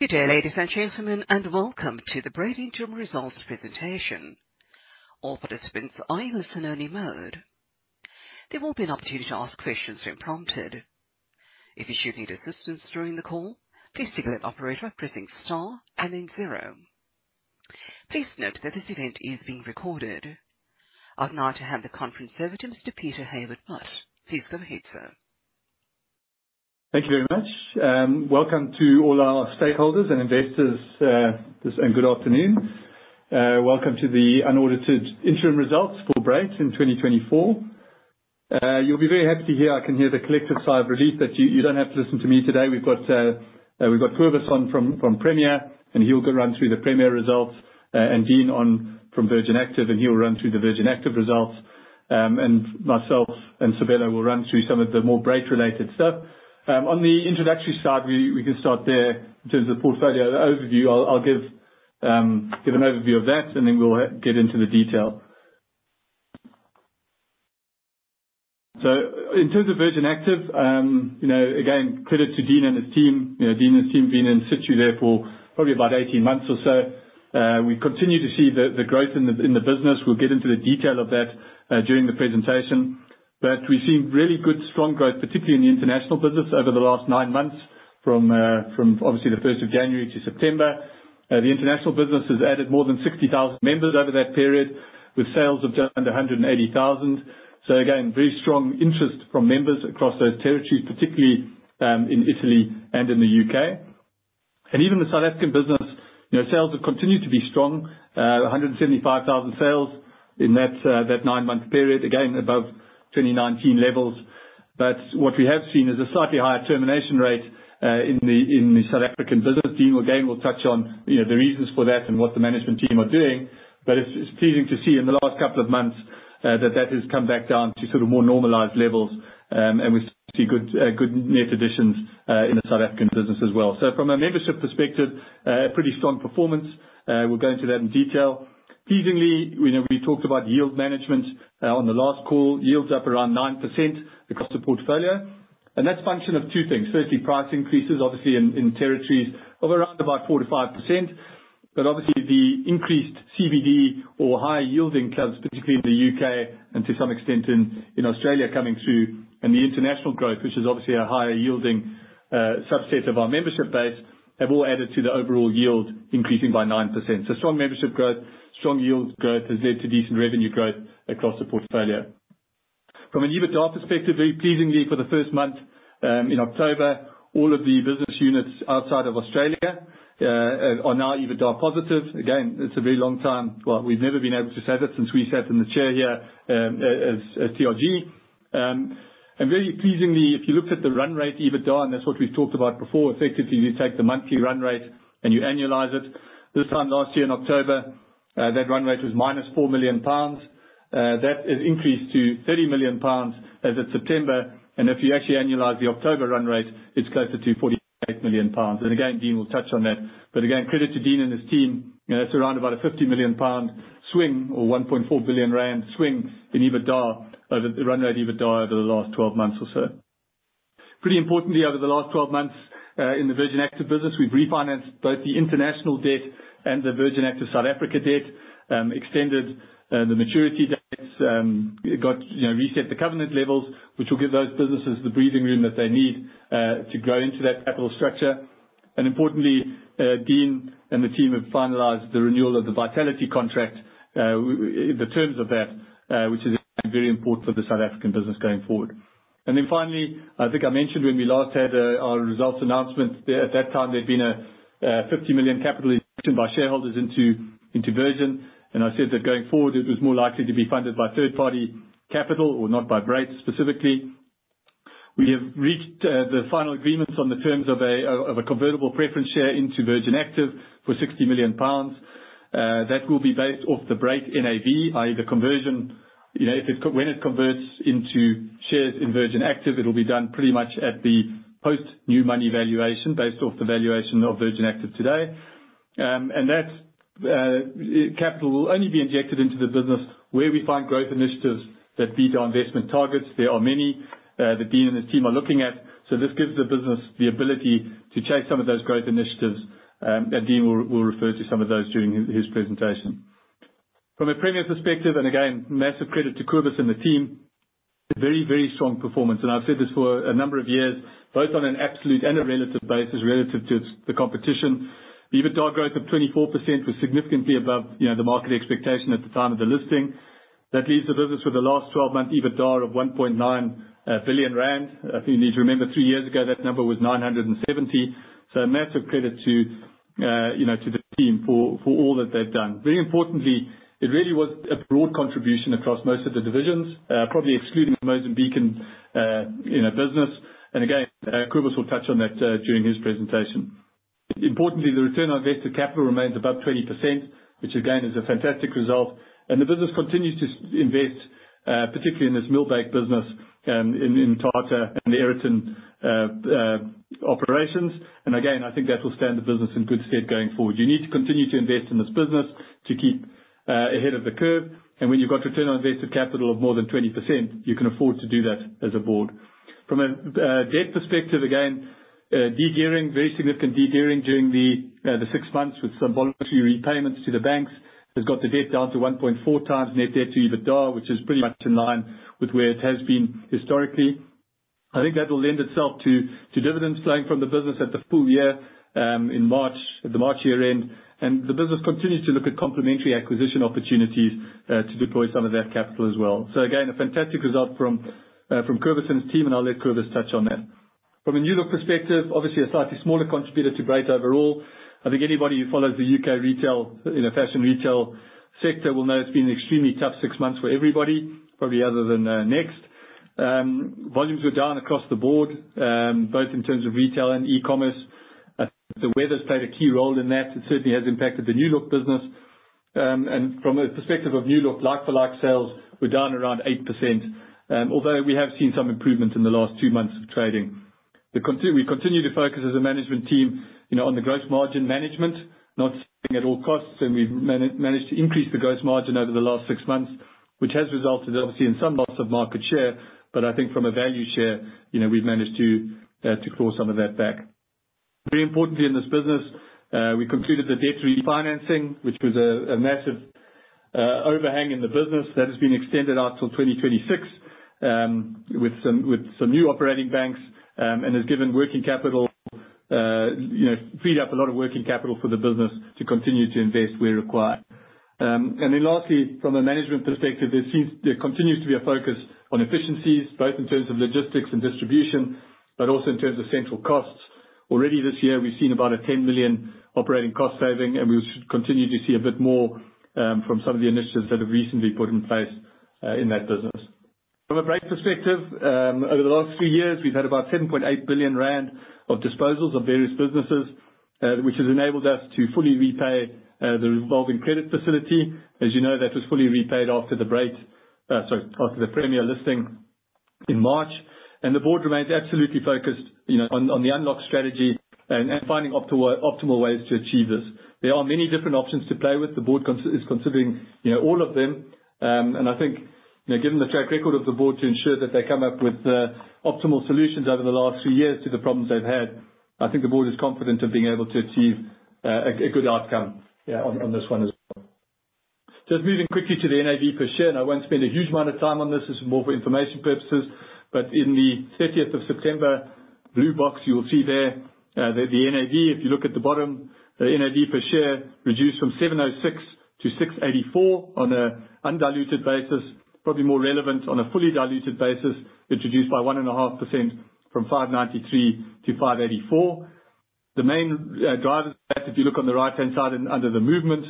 Good day, ladies and gentlemen, and welcome to the Brait Interim Results presentation. All participants are in listen-only mode. There will be an opportunity to ask questions when prompted. If you should need assistance during the call, please signal an operator by pressing star and then zero. Please note that this event is being recorded. I'd now to hand the conference over to Mr. Peter Hayward-Butt. Please go ahead, sir. Thank you very much. Welcome to all our stakeholders and investors. Good afternoon. Welcome to the unaudited interim results for Brait in 2024. You'll be very happy to hear, I can hear the collective sigh of relief that you don't have to listen to me today. We've got Kobus on from Premier, and he'll go run through the Premier results, and Dean on from Virgin Active, and he'll run through the Virgin Active results. And myself and Sabelo will run through some of the more Brait-related stuff. On the introductory side, we can start there. In terms of portfolio overview, I'll give an overview of that, and then we'll get into the detail. So in terms of Virgin Active, you know, again, credit to Dean and his team. You know, Dean and his team being in situ there for probably about 18 months or so. We continue to see the growth in the business. We'll get into the detail of that during the presentation. But we've seen really good, strong growth, particularly in the international business over the last 9 months, from obviously the first of January to September. The international business has added more than 60,000 members over that period, with sales of just under 180,000. So again, very strong interest from members across those territories, particularly in Italy and in the U.K. And even the South African business, you know, sales have continued to be strong, 175,000 sales in that 9-month period, again, above 2019 levels. But what we have seen is a slightly higher termination rate, in the, in the South African business. Dean, again, will touch on, you know, the reasons for that and what the management team are doing. But it's, it's pleasing to see in the last couple of months, that that has come back down to sort of more normalized levels. And we see good, good net additions, in the South African business as well. So from a membership perspective, pretty strong performance. We'll go into that in detail. Pleasingly, you know, we talked about yield management, on the last call. Yields up around 9% across the portfolio, and that's a function of two things: firstly, price increases, obviously in, in territories of around about 45%. But obviously, the increased CBD or higher-yielding clubs, particularly in the UK and to some extent in Australia, coming through, and the international growth, which is obviously a higher-yielding subset of our membership base, have all added to the overall yield increasing by 9%. So strong membership growth, strong yields growth, has led to decent revenue growth across the portfolio. From an EBITDA perspective, very pleasingly, for the first month in October, all of the business units outside of Australia are now EBITDA positive. Again, it's a very long time... Well, we've never been able to say that since we sat in the chair here as TRG. And very pleasingly, if you looked at the run rate EBITDA, and that's what we talked about before, effectively, you take the monthly run rate, and you annualize it. This time last year in October, that run rate was -4 million pounds. That has increased to 30 million pounds as of September, and if you actually annualize the October run rate, it's closer to 48 million pounds. And again, Dean will touch on that. But again, credit to Dean and his team. You know, that's around about a 50 million pound swing, or 1.4 billion rand swing in EBITDA over the run rate EBITDA over the last 12 months or so. Pretty importantly, over the last 12 months, in the Virgin Active business, we've refinanced both the international debt and the Virgin Active South Africa debt, extended the maturity dates, got, you know, reset the covenant levels, which will give those businesses the breathing room that they need, to grow into that capital structure. Importantly, Dean and the team have finalized the renewal of the Vitality contract, the terms of that, which is very important for the South African business going forward. Then finally, I think I mentioned when we last had our results announcement, at that time, there'd been a 50 million capital injection by shareholders into Virgin. I said that going forward, it was more likely to be funded by third-party capital or not by Brait specifically. We have reached the final agreements on the terms of a convertible preference share into Virgin Active for 60 million pounds. That will be based off the Brait NAV, i.e., the conversion... You know, when it converts into shares in Virgin Active, it'll be done pretty much at the post-new money valuation, based off the valuation of Virgin Active today. And that capital will only be injected into the business where we find growth initiatives that beat our investment targets. There are many that Dean and his team are looking at, so this gives the business the ability to chase some of those growth initiatives, and Dean will refer to some of those during his presentation. From a Premier perspective, and again, massive credit to Kobus and the team, a very, very strong performance, and I've said this for a number of years, both on an absolute and a relative basis, relative to the competition. The EBITDA growth of 24% was significantly above, you know, the market expectation at the time of the listing. That leaves the business with a last twelve-month EBITDA of 1.9 billion rand. I think you need to remember, three years ago, that number was 970 million. So a massive credit to, you know, to the team for, for all that they've done. Very importantly, it really was a broad contribution across most of the divisions, probably excluding the Mozambican, you know, business. And again, Kobus will touch on that during his presentation. Importantly, the return on invested capital remains above 20%, which again, is a fantastic result. And the business continues to invest, particularly in this Millbake business, in, in Mthatha and the Aeroton operations. And again, I think that will stand the business in good stead going forward. You need to continue to invest in this business to keep ahead of the curve. And when you've got return on invested capital of more than 20%, you can afford to do that as a board. From a debt perspective, again, de-gearing, very significant de-gearing during the six months with some voluntary repayments to the banks. Has got the debt down to 1.4 times net debt to EBITDA, which is pretty much in line with where it has been historically. I think that will lend itself to dividends flowing from the business at the full year in March, at the March year end, and the business continues to look at complementary acquisition opportunities to deploy some of that capital as well. So again, a fantastic result from, from Kobus and team, and I'll let Kobus touch on that. From a New Look perspective, obviously a slightly smaller contributor to Bright overall. I think anybody who follows the UK retail, you know, fashion retail sector will know it's been an extremely tough six months for everybody, probably other than, Next. Volumes were down across the board, both in terms of retail and e-commerce. I think the weather's played a key role in that. It certainly has impacted the New Look business. And from a perspective of New Look, like-for-like sales were down around 8%, although we have seen some improvement in the last two months of trading. We continue, we continue to focus as a management team, you know, on the gross margin management, not sitting at all costs, and we've managed to increase the gross margin over the last six months, which has resulted, obviously, in some loss of market share. But I think from a value share, you know, we've managed to to claw some of that back. Very importantly, in this business, we concluded the debt refinancing, which was a massive overhang in the business. That has been extended out till 2026, with some new operating banks, and has given working capital, you know, freed up a lot of working capital for the business to continue to invest where required. And then lastly, from a management perspective, there seems... There continues to be a focus on efficiencies, both in terms of logistics and distribution, but also in terms of central costs. Already this year, we've seen about a 10 million operating cost saving, and we should continue to see a bit more from some of the initiatives that have recently put in place in that business. From a Brait perspective, over the last 3 years, we've had about 10.8 billion rand of disposals of various businesses, which has enabled us to fully repay the revolving credit facility. As you know, that was fully repaid after the Brait, sorry, after the Premier listing in March. And the board remains absolutely focused, you know, on the unlock strategy and finding optimal ways to achieve this. There are many different options to play with. The board cons... is considering, you know, all of them. I think, you know, given the track record of the board to ensure that they come up with optimal solutions over the last 3 years to the problems they've had, I think the board is confident of being able to achieve a good outcome, yeah, on this one as well. Just moving quickly to the NAV per share, and I won't spend a huge amount of time on this. This is more for information purposes. In the thirtieth of September, blue box, you will see there, that the NAV, if you look at the bottom, the NAV per share reduced from 7.06 to 6.84 on a undiluted basis, probably more relevant on a fully diluted basis, reduced by 1.5% from 5.93 to 5.84. The main drivers, if you look on the right-hand side and under the movement,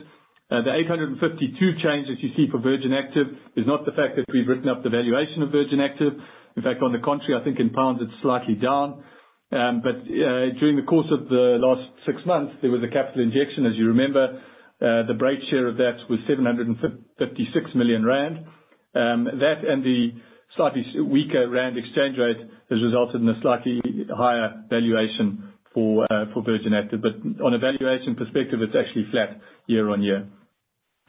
the 852 change that you see for Virgin Active is not the fact that we've written up the valuation of Virgin Active. In fact, on the contrary, I think in pounds it's slightly down. But during the course of the last six months, there was a capital injection. As you remember, the Brait share of that was 756 million rand. That and the slightly weaker rand exchange rate has resulted in a slightly higher valuation for, for Virgin Active. But on a valuation perspective, it's actually flat year-on-year.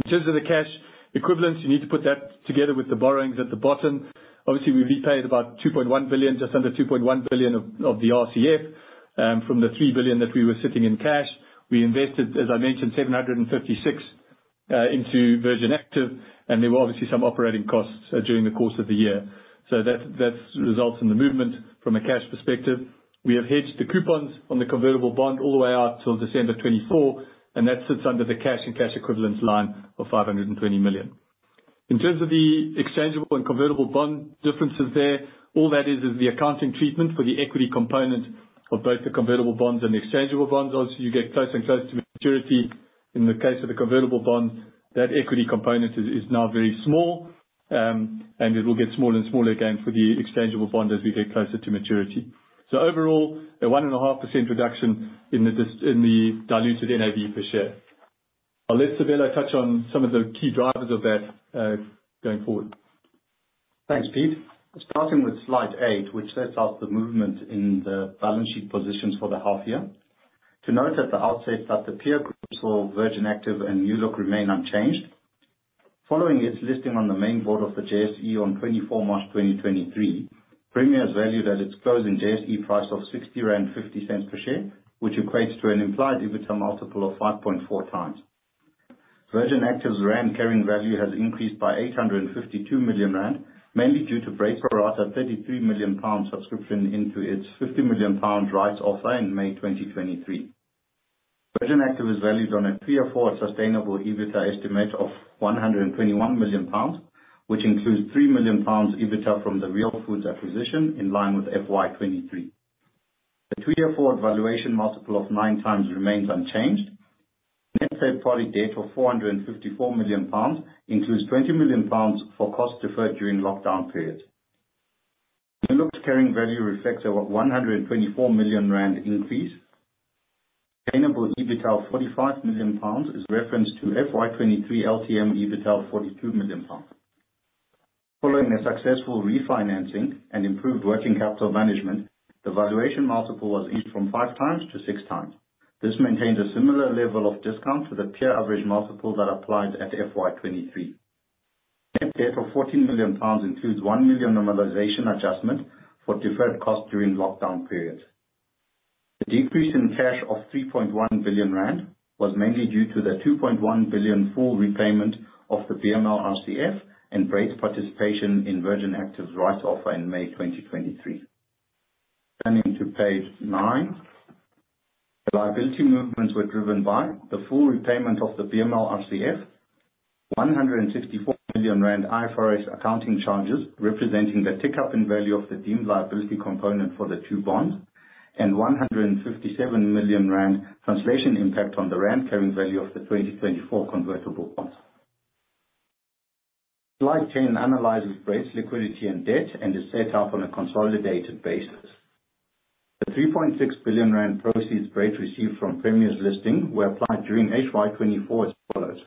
In terms of the cash equivalents, you need to put that together with the borrowings at the bottom. Obviously, we repaid about 2.1 billion, just under 2.1 billion of the RCF from the 3 billion that we were sitting in cash. We invested, as I mentioned, 756 into Virgin Active, and there were obviously some operating costs during the course of the year. So that results in the movement from a cash perspective. We have hedged the coupons on the convertible bond all the way out till December 2024, and that sits under the cash and cash equivalents line of 520 million. In terms of the exchangeable and convertible bond differences there, all that is the accounting treatment for the equity component of both the convertible bonds and the exchangeable bonds. Obviously, you get close and close to maturity. In the case of the convertible bond, that equity component is now very small, and it will get smaller and smaller again for the exchangeable bond as we get closer to maturity. So overall, a 1.5% reduction in the discount in the diluted NAV per share. I'll let Sabelo touch on some of the key drivers of that, going forward. Thanks, Peter. Starting with slide 8, which sets out the movement in the balance sheet positions for the half year. To note at the outset that the peer groups for Virgin Active and New Look remain unchanged. Following its listing on the main board of the JSE on 24 March 2023, Premier's value at its closing JSE price of 60.50 per share, which equates to an implied EBITDA multiple of 5.4x. Virgin Active's rand carrying value has increased by 852 million rand, mainly due to Brait pro rata 33 million pound subscription into its 50 million pound rights offer in May 2023. Virgin Active is valued on a 3-4x sustainable EBITDA estimate of 121 million pounds, which includes 3 million pounds EBITDA from the Real Foods acquisition, in line with FY 2023. The 3-4x valuation multiple of 9x remains unchanged. Net trade party debt of GBP 454 million includes GBP 20 million for costs deferred during lockdown periods. New Look's carrying value reflects a 124 million rand increase. Sustainable EBITDA of 45 million pounds is referenced to FY 2023 LTM EBITDA of 42 million pounds. Following a successful refinancing and improved working capital management, the valuation multiple was increased from 5x to 6x. This maintains a similar level of discount to the peer average multiple that applied at FY 2023.... of GBP 14 million includes GBP 1 million normalization adjustment for deferred costs during lockdown periods. The decrease in cash of 3.1 billion rand was mainly due to the 2.1 billion full repayment of the BML RCF and Brait participation in Virgin Active's rights offer in May 2023. Turning to page 9. Liability movements were driven by the full repayment of the BML RCF, 164 million rand IFRS accounting charges, representing the tick-up in value of the deemed liability component for the two bonds, and 157 million rand translation impact on the rand current value of the 2024 convertible bonds. The slide chain analyzes Brait liquidity and debt and is set up on a consolidated basis. The 3.6 billion rand proceeds Brait received from Premier's listing were applied during HY 2024 as follows: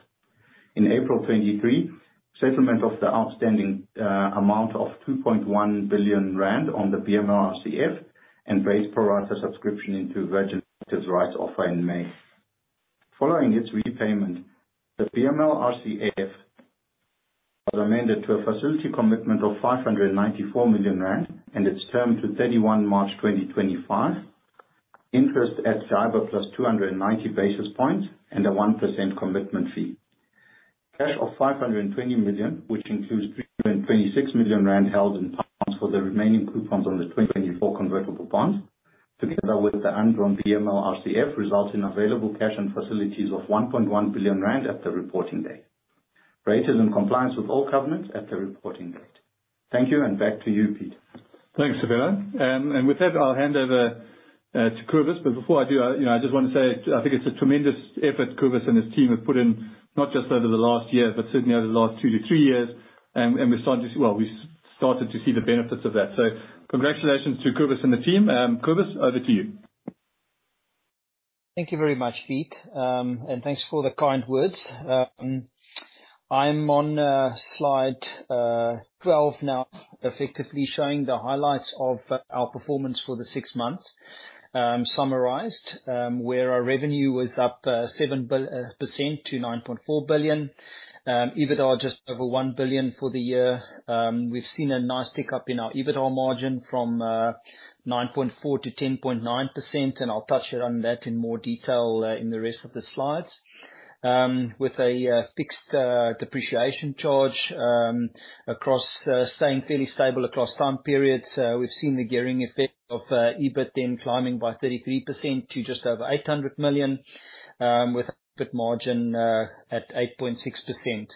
In April 2023, settlement of the outstanding amount of 2.1 billion rand on the BML RCF, and Brait pro rata subscription into Virgin's rights offer in May. Following its repayment, the BML RCF was amended to a facility commitment of 594 million rand and its term to 31 March 2025, interest at JIBAR plus 290 basis points and a 1% commitment fee. Cash of 520 million, which includes 326 million rand held in pounds for the remaining coupons on the 2024 convertible bonds, together with the undrawn BML RCF, results in available cash and facilities of 1.1 billion rand at the reporting date. Brait is in compliance with all covenants at the reporting date. Thank you, and back to you, Pete. Thanks, Sabelo. And with that, I'll hand over to Koos. But before I do, you know, I just want to say, I think it's a tremendous effort Koos and his team have put in, not just over the last year, but certainly over the last 2-3 years. And we're starting to see the benefits of that. Well, we've started to see the benefits of that. So congratulations to Kobus and the team. Kobus, over to you. Thank you very much, Pete, and thanks for the kind words. I'm on slide 12 now, effectively showing the highlights of our performance for the six months. Summarized, where our revenue was up 7% to 9.4 billion. EBITDA just over 1 billion for the year. We've seen a nice pick-up in our EBITDA margin from 9.4 to 10.9%, and I'll touch on that in more detail in the rest of the slides. With a fixed depreciation charge across staying fairly stable across time periods, we've seen the gearing effect of EBIT then climbing by 33% to just over 800 million, with EBIT margin at 8.6%.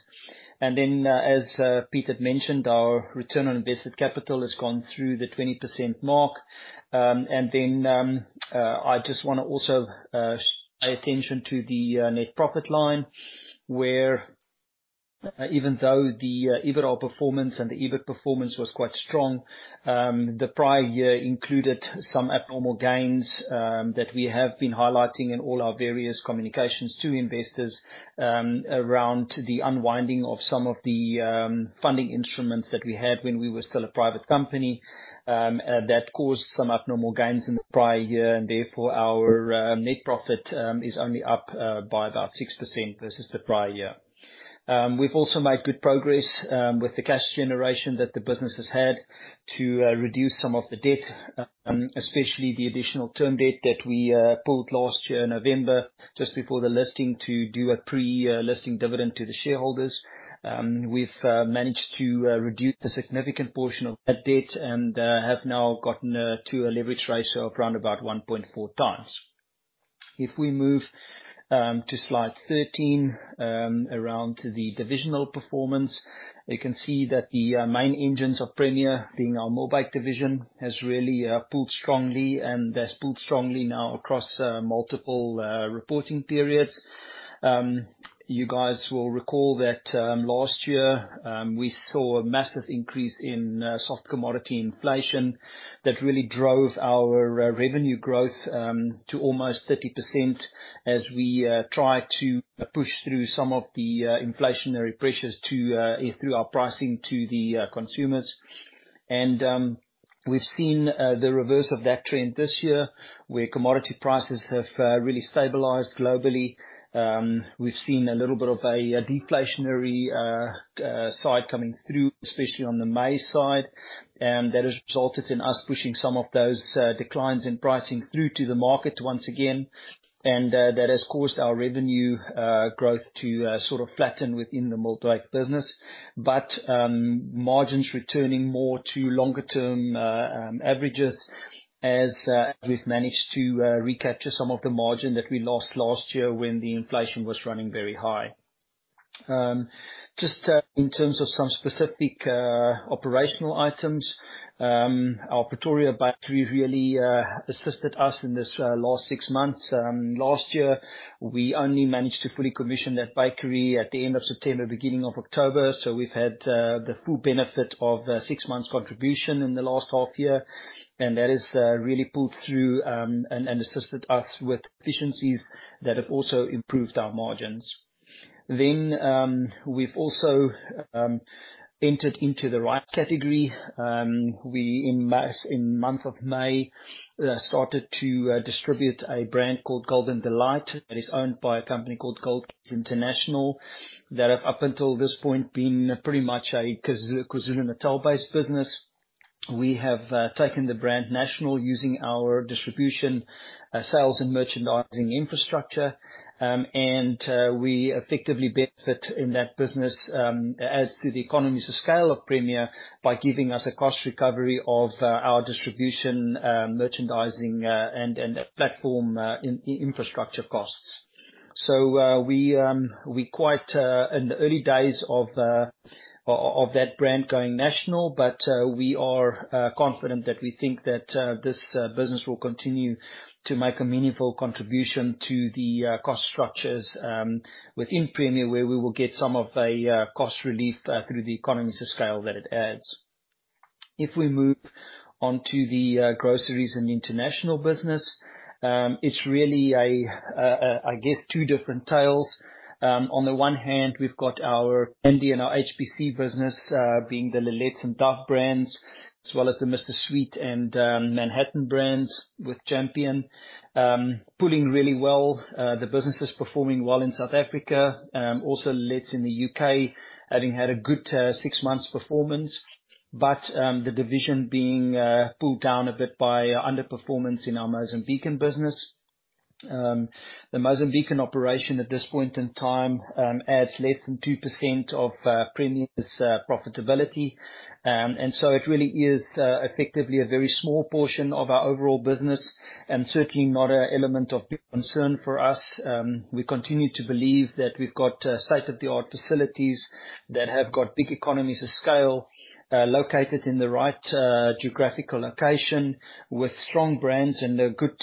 Then, as Peter had mentioned, our return on invested capital has gone through the 20% mark. Then, I just wanna also pay attention to the net profit line, where even though the EBITDA performance and the EBIT performance was quite strong, the prior year included some abnormal gains, that we have been highlighting in all our various communications to investors, around the unwinding of some of the funding instruments that we had when we were still a private company. That caused some abnormal gains in the prior year, and therefore, our net profit is only up by about 6% versus the prior year. We've also made good progress with the cash generation that the business has had to reduce some of the debt, especially the additional term debt that we pulled last year in November, just before the listing, to do a pre listing dividend to the shareholders. We've managed to reduce a significant portion of that debt and have now gotten to a leverage ratio of around about 1.4 times. If we move to slide 13, around the divisional performance, you can see that the main engines of Premier, being our Millbake division, has really pulled strongly and has pulled strongly now across multiple reporting periods. You guys will recall that last year we saw a massive increase in soft commodity inflation that really drove our revenue growth to almost 30% as we tried to push through some of the inflationary pressures through our pricing to the consumers. And we've seen the reverse of that trend this year, where commodity prices have really stabilized globally. We've seen a little bit of a deflationary side coming through, especially on the maize side, and that has resulted in us pushing some of those declines in pricing through to the market once again. That has caused our revenue growth to sort of flatten within the Millbake business. But margins returning more to longer-term averages as we've managed to recapture some of the margin that we lost last year when the inflation was running very high. Just in terms of some specific operational items, our Pretoria Bakery really assisted us in this last six months. Last year, we only managed to fully commission that bakery at the end of September, beginning of October, so we've had the full benefit of six months' contribution in the last half year, and that has really pulled through and assisted us with efficiencies that have also improved our margins. Then we've also entered into the right category. We in month of May started to distribute a brand called Golden Delight. It is owned by a company called Gold International, that have, up until this point, been pretty much a KwaZulu-Natal based business. We have taken the brand national using our distribution, sales, and merchandising infrastructure. And we effectively benefit in that business, as to the economies of scale of Premier by giving us a cost recovery of, our distribution, merchandising, and platform infrastructure costs. So, we, we quite in the early days of, of that brand going national, but, we are confident that we think that, this business will continue to make a meaningful contribution to the, cost structures, within Premier, where we will get some of a, cost relief, through the economies of scale that it adds. If we move on to the groceries and international business, it's really, I guess, two different tales. On the one hand, we've got our milling and our HPC business being the Lil-lets and Dove brands, as well as the Mr. Sweet and Manhattan brands with Champion. Pulling really well, the business is performing well in South Africa, also Lil-lets in the U.K. having had a good six months performance, but the division being pulled down a bit by underperformance in our Mozambican business. The Mozambican operation at this point in time adds less than 2% of Premier's profitability. So it really is effectively a very small portion of our overall business and certainly not an element of big concern for us. We continue to believe that we've got state-of-the-art facilities that have got big economies of scale, located in the right geographical location, with strong brands and good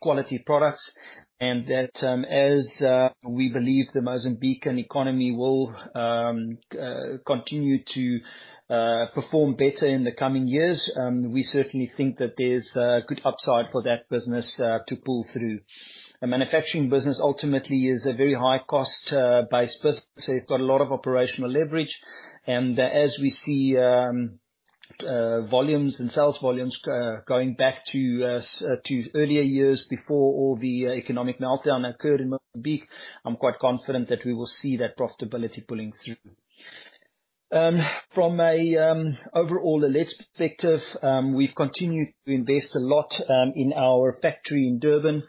quality products. And that, as we believe the Mozambican economy will continue to perform better in the coming years, we certainly think that there's a good upside for that business to pull through. A manufacturing business ultimately is a very high cost based business, so you've got a lot of operational leverage. And as we see volumes and sales volumes going back to earlier years before all the economic meltdown occurred in Mozambique, I'm quite confident that we will see that profitability pulling through. From an overall Lil-lets perspective, we've continued to invest a lot in our factory in Durban.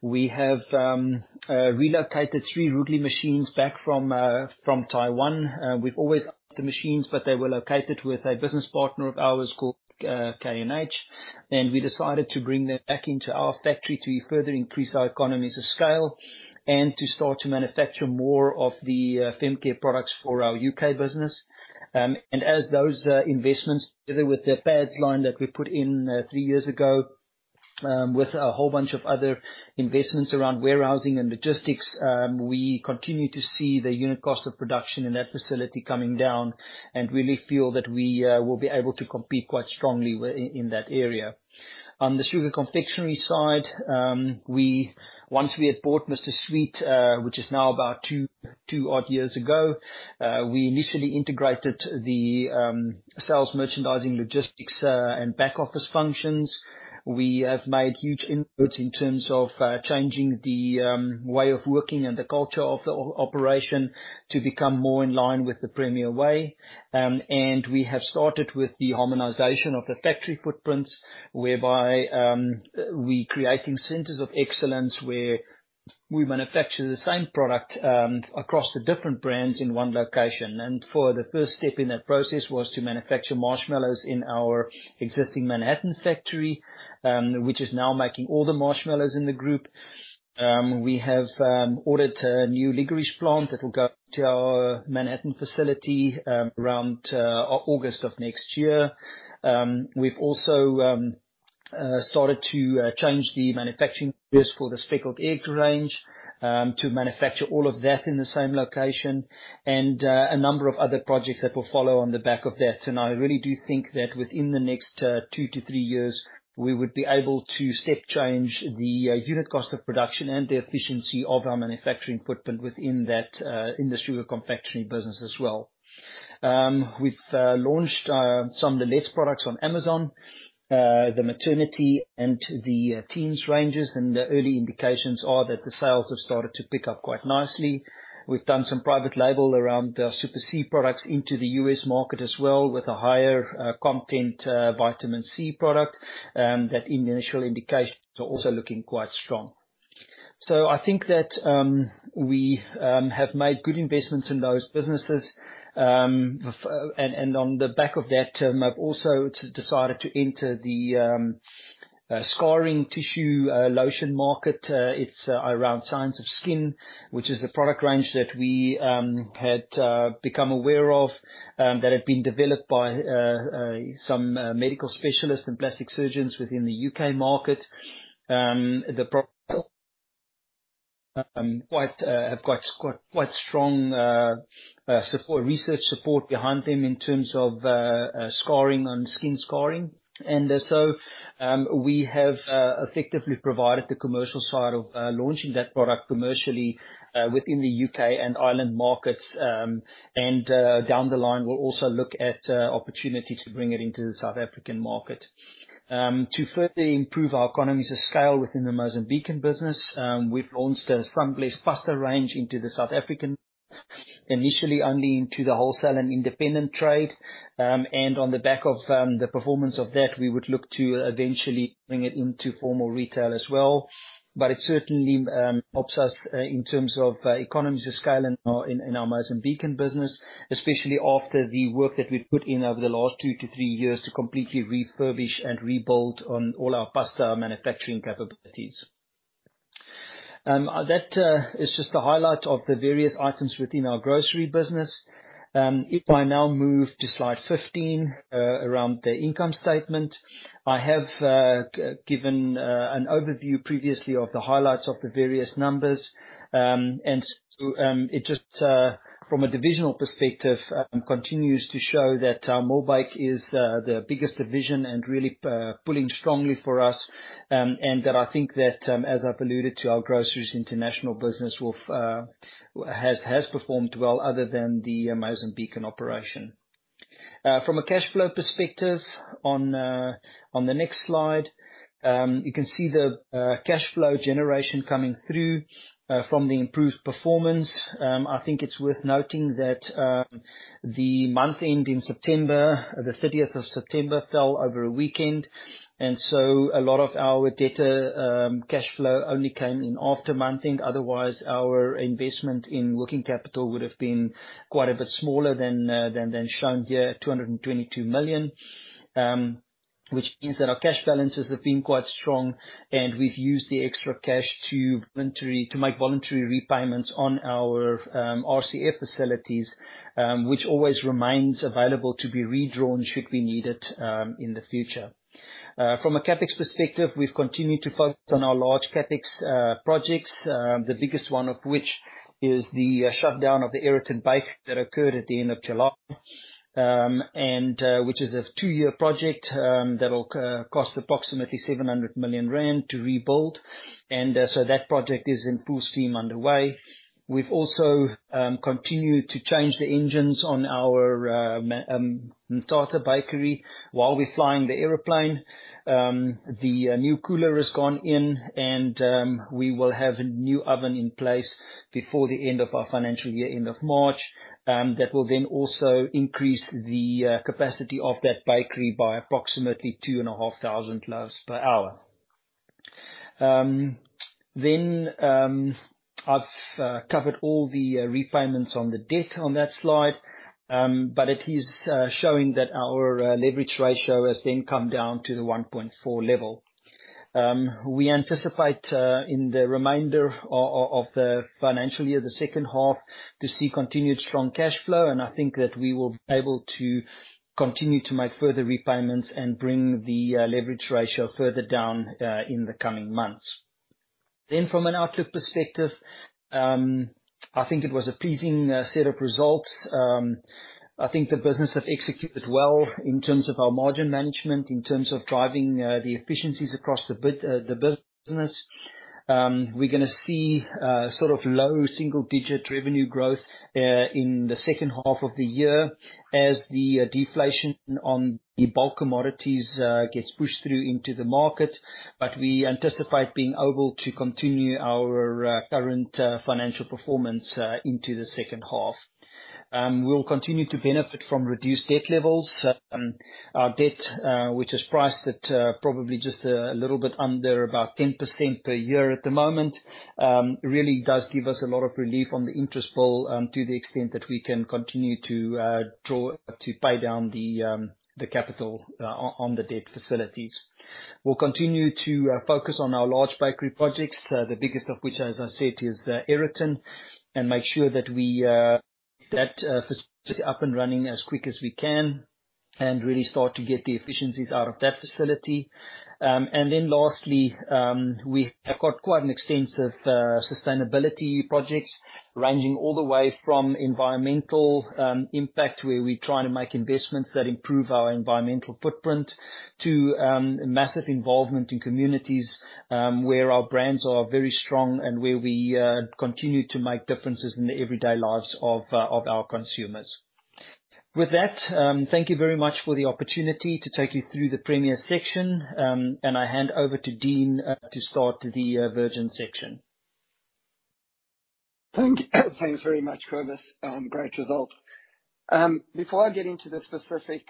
We have relocated three Rootle machines back from Taiwan. We've always owned the machines, but they were located with a business partner of ours called K&H, and we decided to bring them back into our factory to further increase our economies of scale and to start to manufacture more of the fem care products for our UK business. And as those investments, together with the pads line that we put in three years ago, with a whole bunch of other investments around warehousing and logistics, we continue to see the unit cost of production in that facility coming down and really feel that we will be able to compete quite strongly in that area. On the sugar confectionery side, once we had bought Mr. Sweet, which is now about 2, 2 odd years ago, we initially integrated the sales, merchandising, logistics, and back office functions. We have made huge inputs in terms of changing the way of working and the culture of the operation to become more in line with the Premier way. We have started with the harmonization of the factory footprints, whereby we creating centers of excellence, where we manufacture the same product across the different brands in one location. For the first step in that process was to manufacture marshmallows in our existing Manhattan factory, which is now making all the marshmallows in the group. We have ordered a new licorice plant that will go to our Manhattan facility around August of next year. We've also started to change the manufacturing base for the speckled egg range to manufacture all of that in the same location, and a number of other projects that will follow on the back of that. I really do think that within the next two to three years, we would be able to step change the unit cost of production and the efficiency of our manufacturing footprint within that in the sugar confectionery business as well. We've launched some of the Lil-lets products on Amazon, the maternity and the teens ranges, and the early indications are that the sales have started to pick up quite nicely. We've done some private label around Super C products into the US market as well, with a higher content vitamin C product that initial indications are also looking quite strong. So I think that we have made good investments in those businesses. And on the back of that, I've also decided to enter the scarring tissue lotion market. It's around Science of Skin, which is the product range that we had become aware of that had been developed by some medical specialists and plastic surgeons within the UK market. The quite strong support, research support behind them in terms of scarring on skin scarring. We have effectively provided the commercial side of launching that product commercially within the UK and Ireland markets. Down the line, we'll also look at opportunity to bring it into the South African market. To further improve our economies of scale within the Mozambican business, we've launched the Sunbliss pasta range into the South African, initially only into the wholesale and independent trade. And on the back of the performance of that, we would look to eventually bring it into formal retail as well. But it certainly helps us in terms of economies of scale in our Mozambican business, especially after the work that we've put in over the last 2-3 years to completely refurbish and rebuild on all our pasta manufacturing capabilities. That is just a highlight of the various items within our grocery business. If I now move to slide 15, around the income statement, I have given an overview previously of the highlights of the various numbers. And so, it just, from a divisional perspective, continues to show that, Millbake is the biggest division and really pulling strongly for us, and that I think that, as I've alluded to, our groceries international business will, has, has performed well other than the Mozambican operation. From a cash flow perspective, on the next slide, you can see the, cash flow generation coming through, from the improved performance. I think it's worth noting that the month end in September, the thirtieth of September, fell over a weekend, and so a lot of our debtor cash flow only came in after month-end, otherwise our investment in working capital would've been quite a bit smaller than shown here, 222 million. Which means that our cash balances have been quite strong, and we've used the extra cash to make voluntary repayments on our RCF facilities, which always remains available to be redrawn should we need it in the future. From a CapEx perspective, we've continued to focus on our large CapEx projects, the biggest one of which is the shutdown of the Aeroton bakery that occurred at the end of July. Which is a two-year project that will cost approximately 700 million rand to rebuild, so that project is in full steam underway. We've also continued to change the engines on our Mthatha Bakery while we're flying the airplane. The new cooler has gone in, and we will have a new oven in place before the end of our financial year, end of March. That will then also increase the capacity of that bakery by approximately 2,500 loaves per hour. Then I've covered all the repayments on the debt on that slide, but it is showing that our leverage ratio has then come down to the 1.4 level. We anticipate in the remainder of the financial year, the second half, to see continued strong cashflow, and I think that we will be able to continue to make further repayments and bring the leverage ratio further down in the coming months. From an outlook perspective, I think it was a pleasing set of results. I think the business have executed well in terms of our margin management, in terms of driving the efficiencies across the business. We're gonna see sort of low single-digit revenue growth in the second half of the year as the deflation on the bulk commodities gets pushed through into the market. But we anticipate being able to continue our current financial performance into the second half. We'll continue to benefit from reduced debt levels. Our debt, which is priced at probably just a little bit under about 10% per year at the moment, really does give us a lot of relief on the interest bill, to the extent that we can continue to draw to pay down the capital on the debt facilities. We'll continue to focus on our large bakery projects, the biggest of which, as I said, is Aeroton, and make sure that we get that facility up and running as quick as we can and really start to get the efficiencies out of that facility. Then lastly, we have quite an extensive sustainability projects ranging all the way from environmental impact, where we try to make investments that improve our environmental footprint, to massive involvement in communities, where our brands are very strong and where we continue to make differences in the everyday lives of our consumers. With that, thank you very much for the opportunity to take you through the Premier section, and I hand over to Dean to start the Virgin section. Thanks very much, Cobus, great results. Before I get into the specific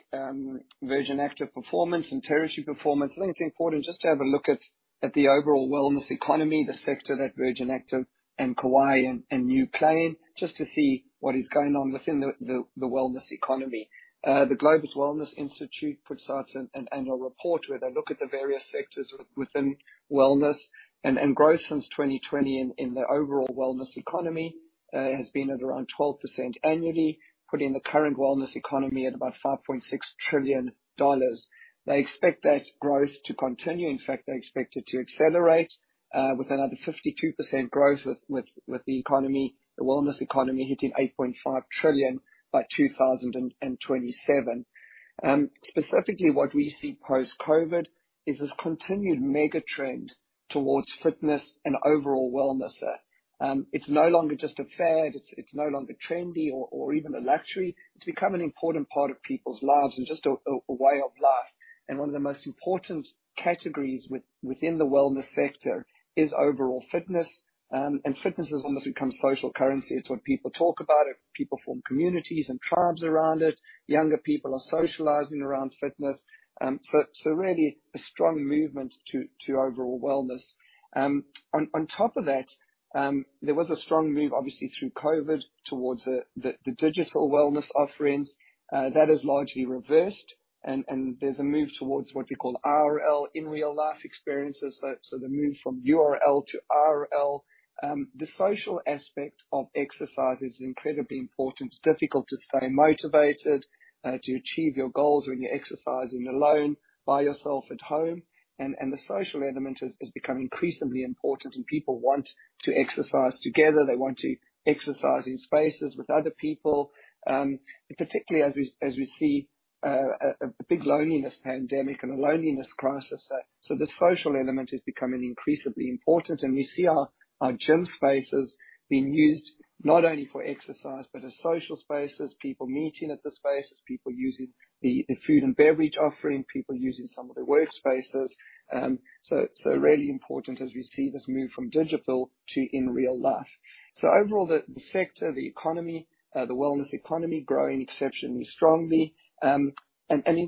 Virgin Active performance and territory performance, I think it's important just to have a look at the overall wellness economy, the sector that Virgin Active and Kauai and New Play, just to see what is going on within the wellness economy. The Global Wellness Institute puts out an annual report, where they look at the various sectors within wellness, and growth since 2020 in the overall wellness economy has been at around 12% annually, putting the current wellness economy at about $5.6 trillion. They expect that growth to continue. In fact, they expect it to accelerate, with another 52% growth with the economy, the wellness economy hitting $8.5 trillion by 2027. Specifically, what we see post-COVID is this continued mega trend towards fitness and overall wellness. It's no longer just a fad. It's no longer trendy or even a luxury. It's become an important part of people's lives and just a way of life. And one of the most important categories within the wellness sector is overall fitness. And fitness has almost become social currency. It's what people talk about. People form communities and tribes around it. Younger people are socializing around fitness. So really a strong movement to overall wellness. On top of that, there was a strong move, obviously through COVID, towards the digital wellness offerings. That has largely reversed, and there's a move towards what we call IRL, in real life experiences. So, the move from URL to IRL. The social aspect of exercise is incredibly important. It's difficult to stay motivated to achieve your goals when you're exercising alone by yourself at home. And the social element has become increasingly important, and people want to exercise together. They want to exercise in spaces with other people, particularly as we see a big loneliness pandemic and a loneliness crisis. So the social element is becoming increasingly important, and we see our gym spaces being used not only for exercise, but as social spaces, people meeting at the spaces, people using the food and beverage offering, people using some of the workspaces. So really important as we see this move from digital to in real life. So overall, the sector, the economy, the wellness economy growing exceptionally strongly. And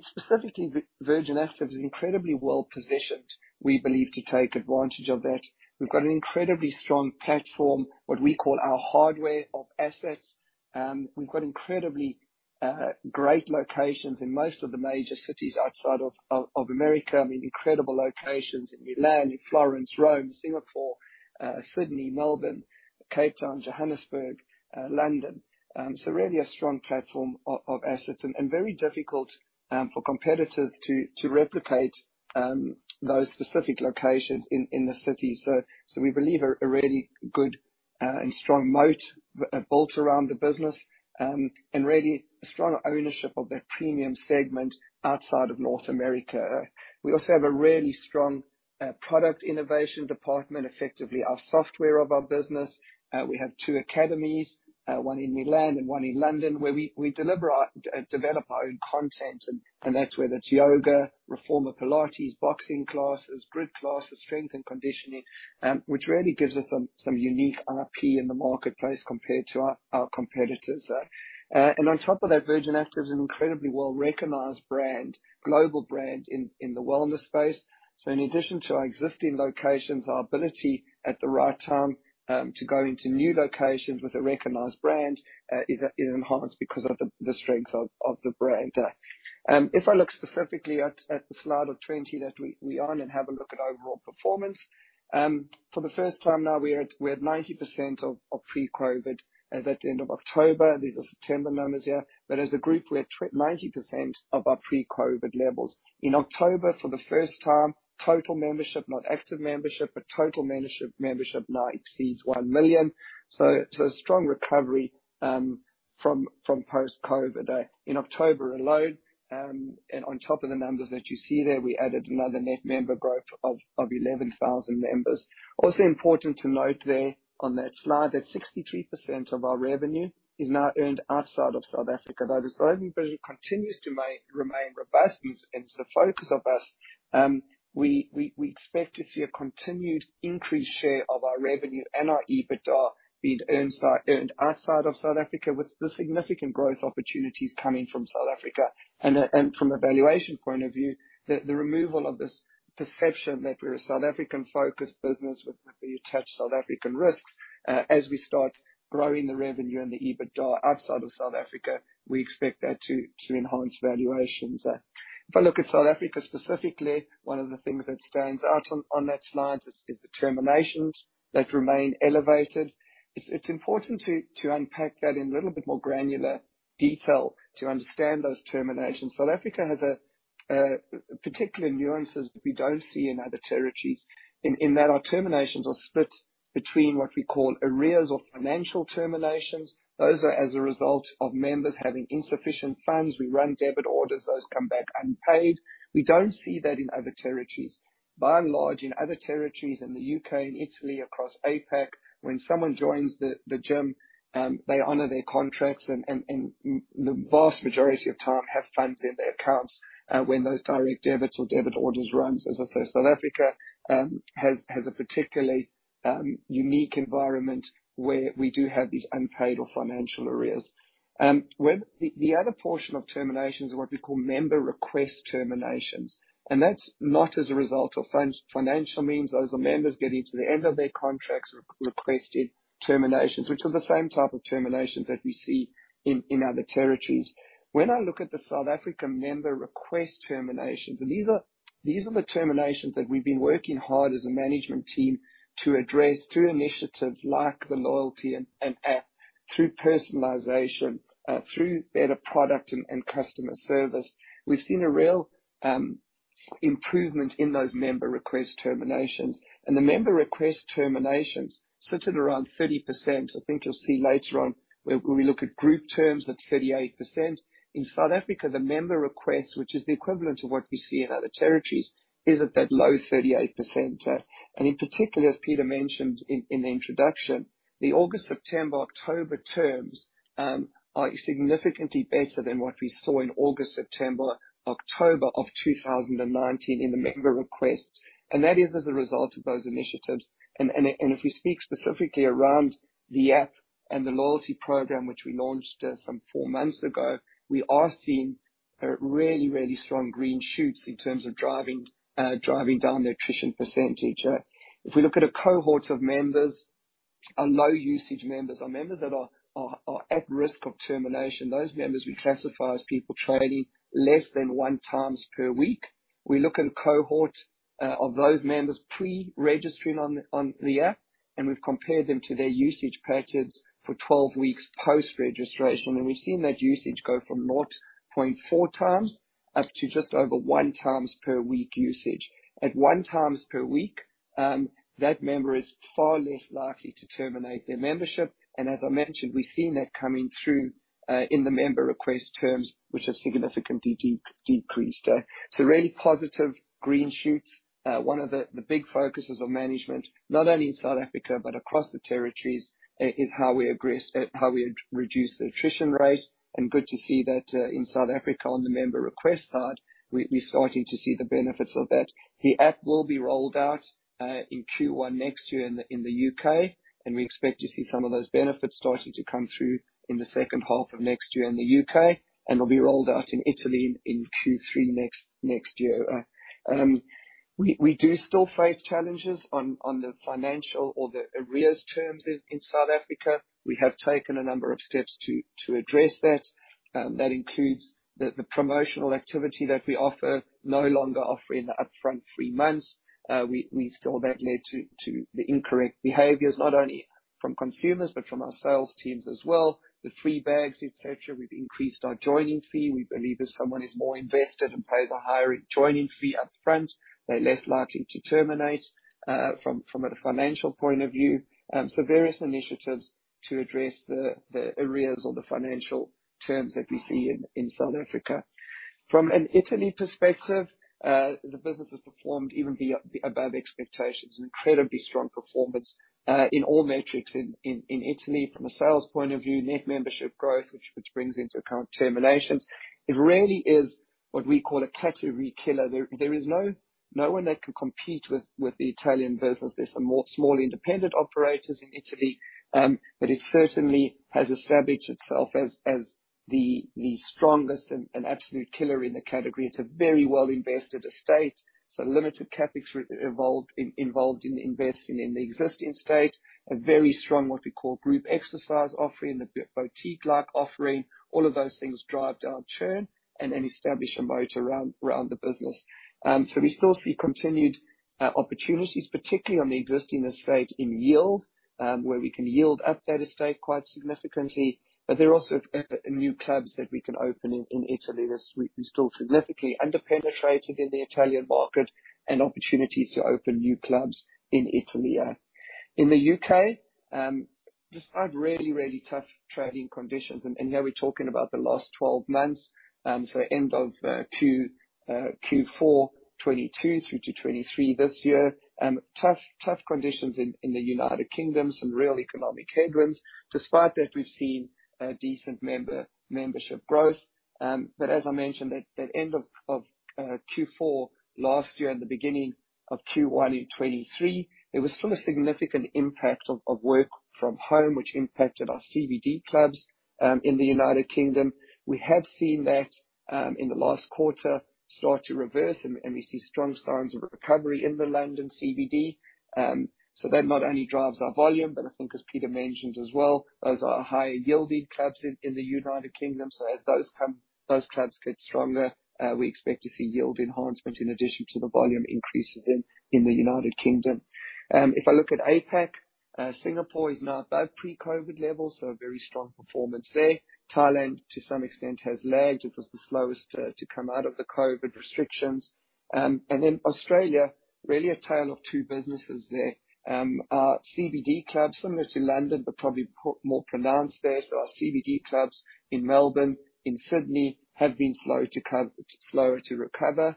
specifically, Virgin Active is incredibly well positioned, we believe, to take advantage of that. We've got an incredibly strong platform, what we call our hardware of assets. We've got incredibly great locations in most of the major cities outside of America. I mean, incredible locations in Milan, in Florence, Rome, Singapore, Sydney, Melbourne, Cape Town, Johannesburg, London. So really a strong platform of assets, and very difficult for competitors to replicate those specific locations in the city. So we believe a really good and strong moat built around the business, and really a strong ownership of that premium segment outside of North America. We also have a really strong product innovation department, effectively our software of our business. We have two academies, one in Milan and one in London, where we deliver our, develop our own content, and that's whether it's yoga, reformer Pilates, boxing classes, Grid classes, strength and conditioning, which really gives us some unique IP in the marketplace compared to our competitors. And on top of that, Virgin Active is an incredibly well-recognized brand, global brand in the wellness space. So in addition to our existing locations, our ability at the right time to go into new locations with a recognized brand is enhanced because of the strength of the brand. If I look specifically at the slide 20 that we on, and have a look at overall performance, for the first time now, we're at 90% of pre-COVID. As at the end of October, these are September numbers here, but as a group, we're at 90% of our pre-COVID levels. In October, for the first time, total membership, not active membership, but total membership, membership now exceeds 1 million. So strong recovery from post-COVID. In October alone, and on top of the numbers that you see there, we added another net member growth of 11,000 members. Also important to note there on that slide, that 63% of our revenue is now earned outside of South Africa, though the southern business continues to remain robust and is the focus of us, we expect to see a continued increased share of our revenue and our EBITDA being earned outside of South Africa, with the significant growth opportunities coming from South Africa. And from a valuation point of view, the removal of this perception that we're a South African-focused business with the attached South African risks, as we start growing the revenue and the EBITDA outside of South Africa, we expect that to enhance valuations. If I look at South Africa specifically, one of the things that stands out on that slide is the terminations that remain elevated. It's important to unpack that in a little bit more granular detail to understand those terminations. South Africa has a particular nuances that we don't see in other territories, in that our terminations are split between what we call arrears or financial terminations. Those are as a result of members having insufficient funds. We run debit orders, those come back unpaid. We don't see that in other territories. By and large, in other territories, in the UK, in Italy, across APAC, when someone joins the gym, they honor their contracts and the vast majority of time, have funds in their accounts, when those direct debits or debit orders run. As I say, South Africa has a particularly unique environment where we do have these unpaid or financial arrears. Where the other portion of terminations are what we call member request terminations, and that's not as a result of financial means. Those are members getting to the end of their contracts, requested terminations, which are the same type of terminations that we see in other territories. When I look at the South African member request terminations, and these are the terminations that we've been working hard as a management team to address through initiatives like the loyalty and app, through personalization, through better product and customer service. We've seen a real improvement in those member request terminations. The member request terminations sits at around 30%. I think you'll see later on when we look at group terms, that 38%. In South Africa, the member request, which is the equivalent to what we see in other territories, is at that low 38%. In particular, as Peter mentioned in the introduction, the August, September, October terms are significantly better than what we saw in August, September, October of 2019 in the member request, and that is as a result of those initiatives. And if we speak specifically around the app and the loyalty program, which we launched some four months ago, we are seeing really, really strong green shoots in terms of driving down the attrition percentage. If we look at a cohort of members, our low usage members, our members that are at risk of termination, those members we classify as people training less than one times per week. We look at a cohort of those members pre-registering on the app, and we've compared them to their usage patterns for 12 weeks post-registration, and we've seen that usage go from 0.4 times up to just over 1 time per week usage. At 1 time per week, that member is far less likely to terminate their membership. And as I mentioned, we've seen that coming through in the member request terms, which have significantly decreased. So really positive green shoots. One of the big focuses of management, not only in South Africa, but across the territories, is how we reduce the attrition rate, and good to see that in South Africa, on the member request side, we're starting to see the benefits of that. The app will be rolled out in Q1 next year in the UK, and we expect to see some of those benefits starting to come through in the second half of next year in the UK, and will be rolled out in Italy in Q3 next year. We do still face challenges on the financial or the arrears terms in South Africa. We have taken a number of steps to address that. That includes the promotional activity that we offer, no longer offering the upfront three months. We saw that led to the incorrect behaviors, not only from consumers, but from our sales teams as well, the free bags, et cetera. We've increased our joining fee. We believe if someone is more invested and pays a higher joining fee upfront, they're less likely to terminate from a financial point of view. So various initiatives to address the arrears or the financial terms that we see in South Africa. From an Italy perspective, the business has performed even above expectations. Incredibly strong performance in all metrics in Italy. From a sales point of view, net membership growth, which brings into account terminations. It really is what we call a category killer. There is no one that can compete with the Italian business. There's some more small independent operators in Italy, but it certainly has established itself as the strongest and absolute killer in the category. It's a very well-invested estate, so limited CapEx involved in investing in the existing estate. A very strong, what we call, group exercise offering, the boutique-like offering. All of those things drive down churn and establish a moat around the business. So we still see continued opportunities, particularly on the existing estate in yield, where we can yield up that estate quite significantly. But there are also new clubs that we can open in Italy, as we're still significantly under-penetrated in the Italian market, and opportunities to open new clubs in Italy, yeah. In the U.K., despite really, really tough trading conditions, and here we're talking about the last 12 months, so end of Q4 2022 through to 2023 this year. Tough conditions in the United Kingdom, some real economic headwinds. Despite that, we've seen a decent membership growth. But as I mentioned, at the end of Q4 last year and the beginning of Q1 in 2023, there was still a significant impact of work from home, which impacted our CBD clubs in the United Kingdom. We have seen that in the last quarter start to reverse, and we see strong signs of recovery in the London CBD. So that not only drives our volume, but I think as Peter mentioned as well, those are high-yielding clubs in the United Kingdom. So as those clubs get stronger, we expect to see yield enhancement in addition to the volume increases in the United Kingdom. If I look at APAC, Singapore is now above pre-COVID levels, so a very strong performance there. Thailand, to some extent, has lagged. It was the slowest to come out of the COVID restrictions. And in Australia, really a tale of two businesses there. Our CBD clubs, similar to London, but probably more pronounced there, so our CBD clubs in Melbourne, in Sydney, have been slow to slower to recover.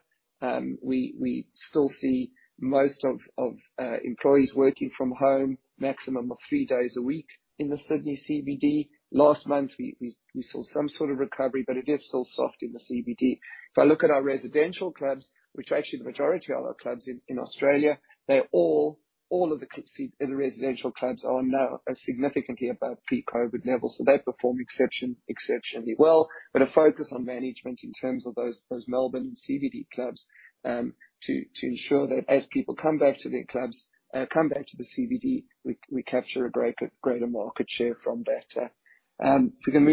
We saw some sort of recovery, but it is still soft in the CBD. If I look at our residential clubs, which are actually the majority of our clubs in Australia, they're all of the residential clubs are now significantly above pre-COVID levels, so they perform exceptionally well. But a focus on management in terms of those Melbourne CBD clubs, to ensure that as people come back to their clubs, come back to the CBD, we capture greater market share from that. From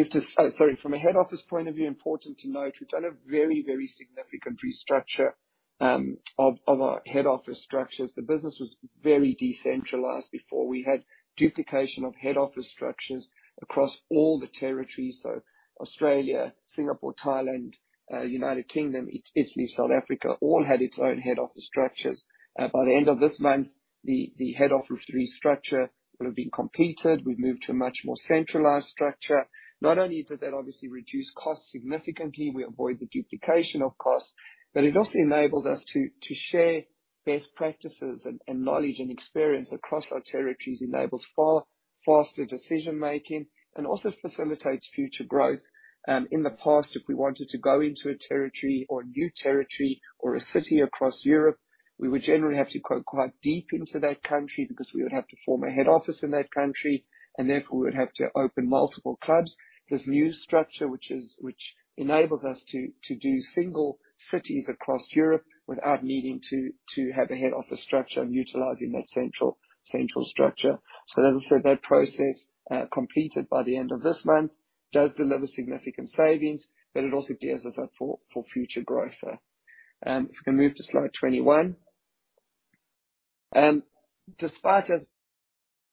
a head office point of view, important to note, we've done a very, very significant restructure of our head office structures. The business was very decentralized before. We had duplication of head office structures across all the territories, so Australia, Singapore, Thailand, United Kingdom, Italy, South Africa, all had its own head office structures. By the end of this month, the head office restructure will have been completed. We've moved to a much more centralized structure. Not only does that obviously reduce costs significantly, we avoid the duplication of costs, but it also enables us to share best practices and knowledge and experience across our territories, enables far faster decision-making, and also facilitates future growth. In the past, if we wanted to go into a territory or a new territory or a city across Europe, we would generally have to go quite deep into that country because we would have to form a head office in that country, and therefore we would have to open multiple clubs. This new structure, which enables us to do single cities across Europe without needing to have a head office structure and utilizing that central structure. So as I said, that process, completed by the end of this month, does deliver significant savings, but it also gears us up for, for future growth. If we can move to slide 21. Despite us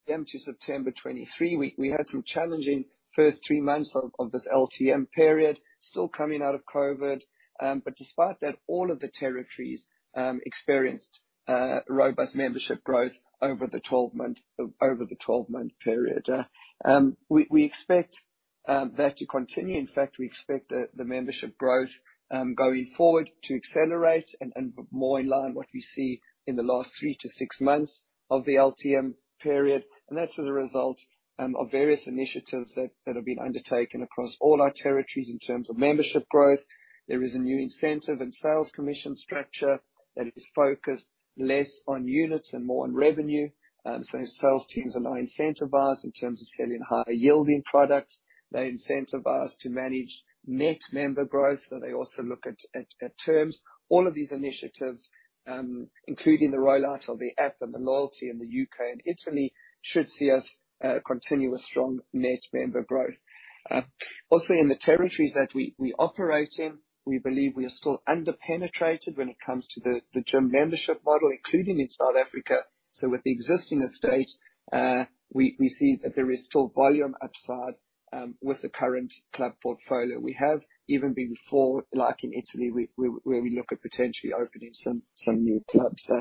to September 2023, we had some challenging first 3 months of this LTM period, still coming out of COVID. But despite that, all of the territories experienced robust membership growth over the 12-month period. We expect that to continue. In fact, we expect the membership growth going forward to accelerate and more in line with what we see in the last 3-6 months of the LTM period. And that's as a result of various initiatives that have been undertaken across all our territories in terms of membership growth. There is a new incentive and sales commission structure that is focused less on units and more on revenue. So sales teams are now incentivized in terms of selling higher yielding products. They're incentivized to manage net member growth, so they also look at terms. All of these initiatives, including the rollout of the app and the loyalty in the U.K. and Italy, should see us continue a strong net member growth. Also in the territories that we operate in, we believe we are still under-penetrated when it comes to the gym membership model, including in South Africa. So with the existing estate, we see that there is still volume upside with the current club portfolio. We have even before, like in Italy, we where we look at potentially opening some new clubs.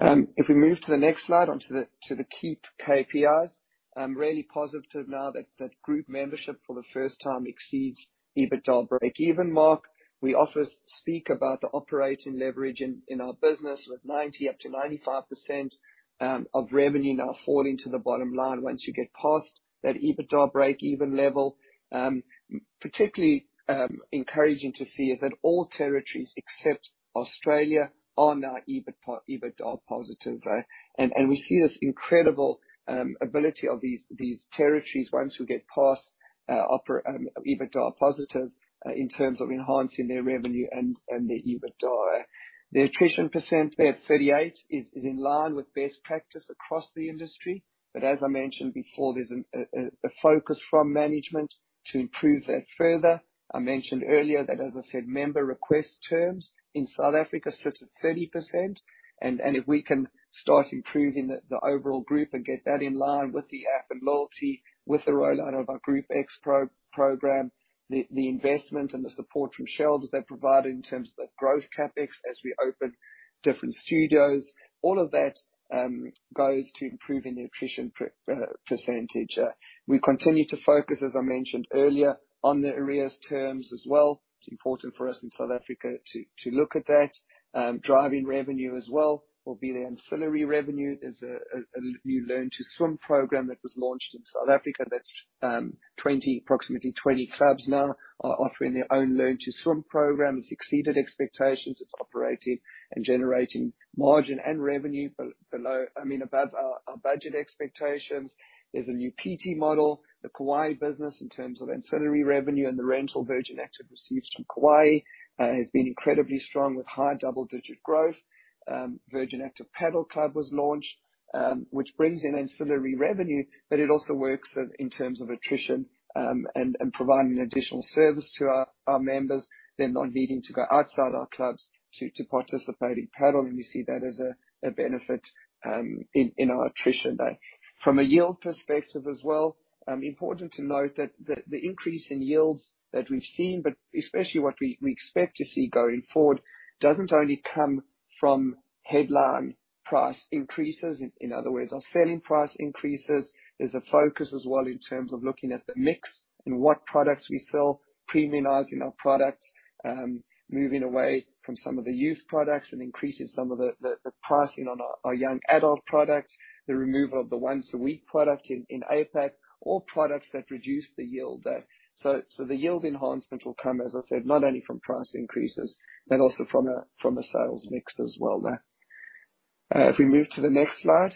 If we move to the next slide, onto the key KPIs, I'm really positive now that group membership for the first time exceeds EBITDA break-even mark. We often speak about the operating leverage in our business, with 90 to 95% of revenue now falling to the bottom line once you get past that EBITDA break-even level. Particularly encouraging to see is that all territories except Australia are now EBITDA positive, and we see this incredible ability of these territories once we get past EBITDA positive, in terms of enhancing their revenue and their EBITDA. The attrition percent there at 38% is in line with best practice across the industry. But as I mentioned before, there's a focus from management to improve that further. I mentioned earlier that, as I said, member request terms in South Africa sits at 30%, and if we can start improving the overall group and get that in line with the app and loyalty, with the rollout of our Group X program, the investment and the support from shareholders they provide in terms of the growth CapEx as we open different studios, all of that goes to improving the attrition percentage. We continue to focus, as I mentioned earlier, on the arrears terms as well. It's important for us in South Africa to look at that. Driving revenue as well will be the ancillary revenue. There's a new learn to swim program that was launched in South Africa that's approximately 20 clubs now are offering their own learn to swim program. It's exceeded expectations. It's operating and generating margin and revenue, I mean, above our budget expectations. There's a new PT model, the Kauai business, in terms of ancillary revenue and the rental Virgin Active receives from Kauai, has been incredibly strong with high double-digit growth. Virgin Active Padel Club was launched, which brings in ancillary revenue, but it also works in terms of attrition, and providing additional service to our members. They're not needing to go outside our clubs to participate in paddling. We see that as a benefit in our attrition rate. From a yield perspective as well, important to note that the increase in yields that we've seen, but especially what we expect to see going forward, doesn't only come from headline price increases, in other words, our selling price increases. There's a focus as well in terms of looking at the mix and what products we sell, premiumizing our products, moving away from some of the youth products and increasing some of the pricing on our young adult products, the removal of the once-a-week product in APAC, all products that reduce the yield there. So the yield enhancement will come, as I said, not only from price increases, but also from a sales mix as well there. If we move to the next slide?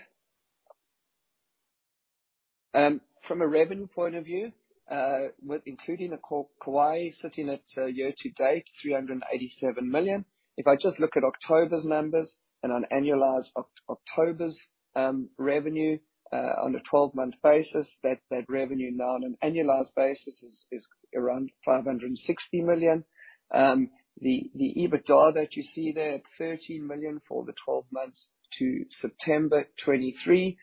From a revenue point of view, with including the call, Kauai, sitting at year-to-date, 387 million. If I just look at October's numbers, and on annualized October's revenue on a twelve-month basis, that revenue now on an annualized basis is around 560 million. The EBITDA that you see there at 13 million for the twelve months to September 2023,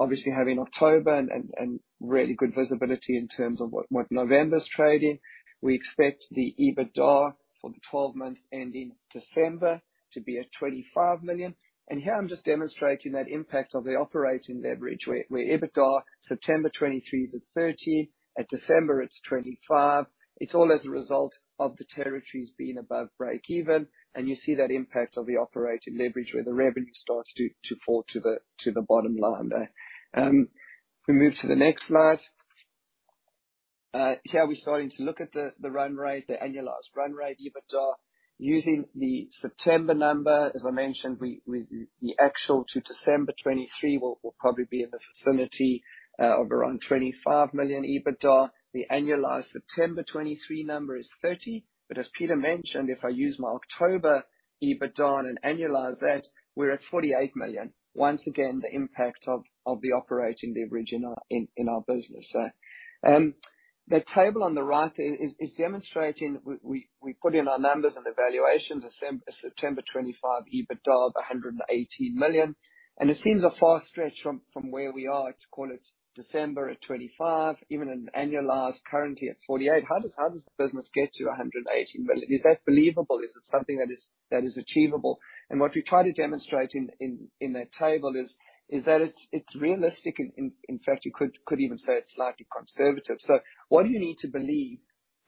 obviously having October and really good visibility in terms of what November's trading, we expect the EBITDA for the twelve months ending December to be at 25 million. And here I'm just demonstrating that impact of the operating leverage, where EBITDA, September 2023 is at 30, at December it's 25. It's all as a result of the territories being above breakeven, and you see that impact of the operating leverage, where the revenue starts to fall to the bottom line there. If we move to the next slide. Here, we're starting to look at the run rate, the annualized run rate, EBITDA. Using the September number, as I mentioned, the actual to December 2023 will probably be in the vicinity of around 25 million EBITDA. The annualized September 2023 number is 30, but as Peter mentioned, if I use my October EBITDA and annualize that, we're at 48 million. Once again, the impact of the operating leverage in our business. So, the table on the right is demonstrating we put in our numbers and the valuations, September 2025 EBITDA of 118 million, and it seems a far stretch from where we are to call it December at 25, even in annualized, currently at 48. How does the business get to 118 million? Is that believable? Is it something that is achievable? What we try to demonstrate in that table is that it's realistic, in fact, you could even say it's slightly conservative. So what do you need to believe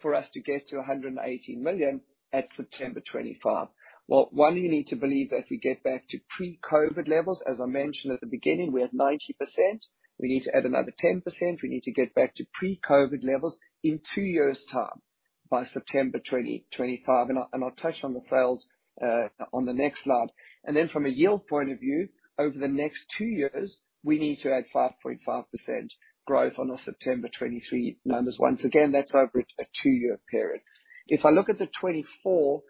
for us to get to 118 million at September 2025? Well, one, you need to believe that we get back to pre-COVID levels. As I mentioned at the beginning, we're at 90%. We need to add another 10%. We need to get back to pre-COVID levels in two years' time, by September 2025, and I'll touch on the sales on the next slide. And then from a yield point of view, over the next two years, we need to add 5.5% growth on our September 2023 numbers. Once again, that's over a two-year period. If I look at 2024,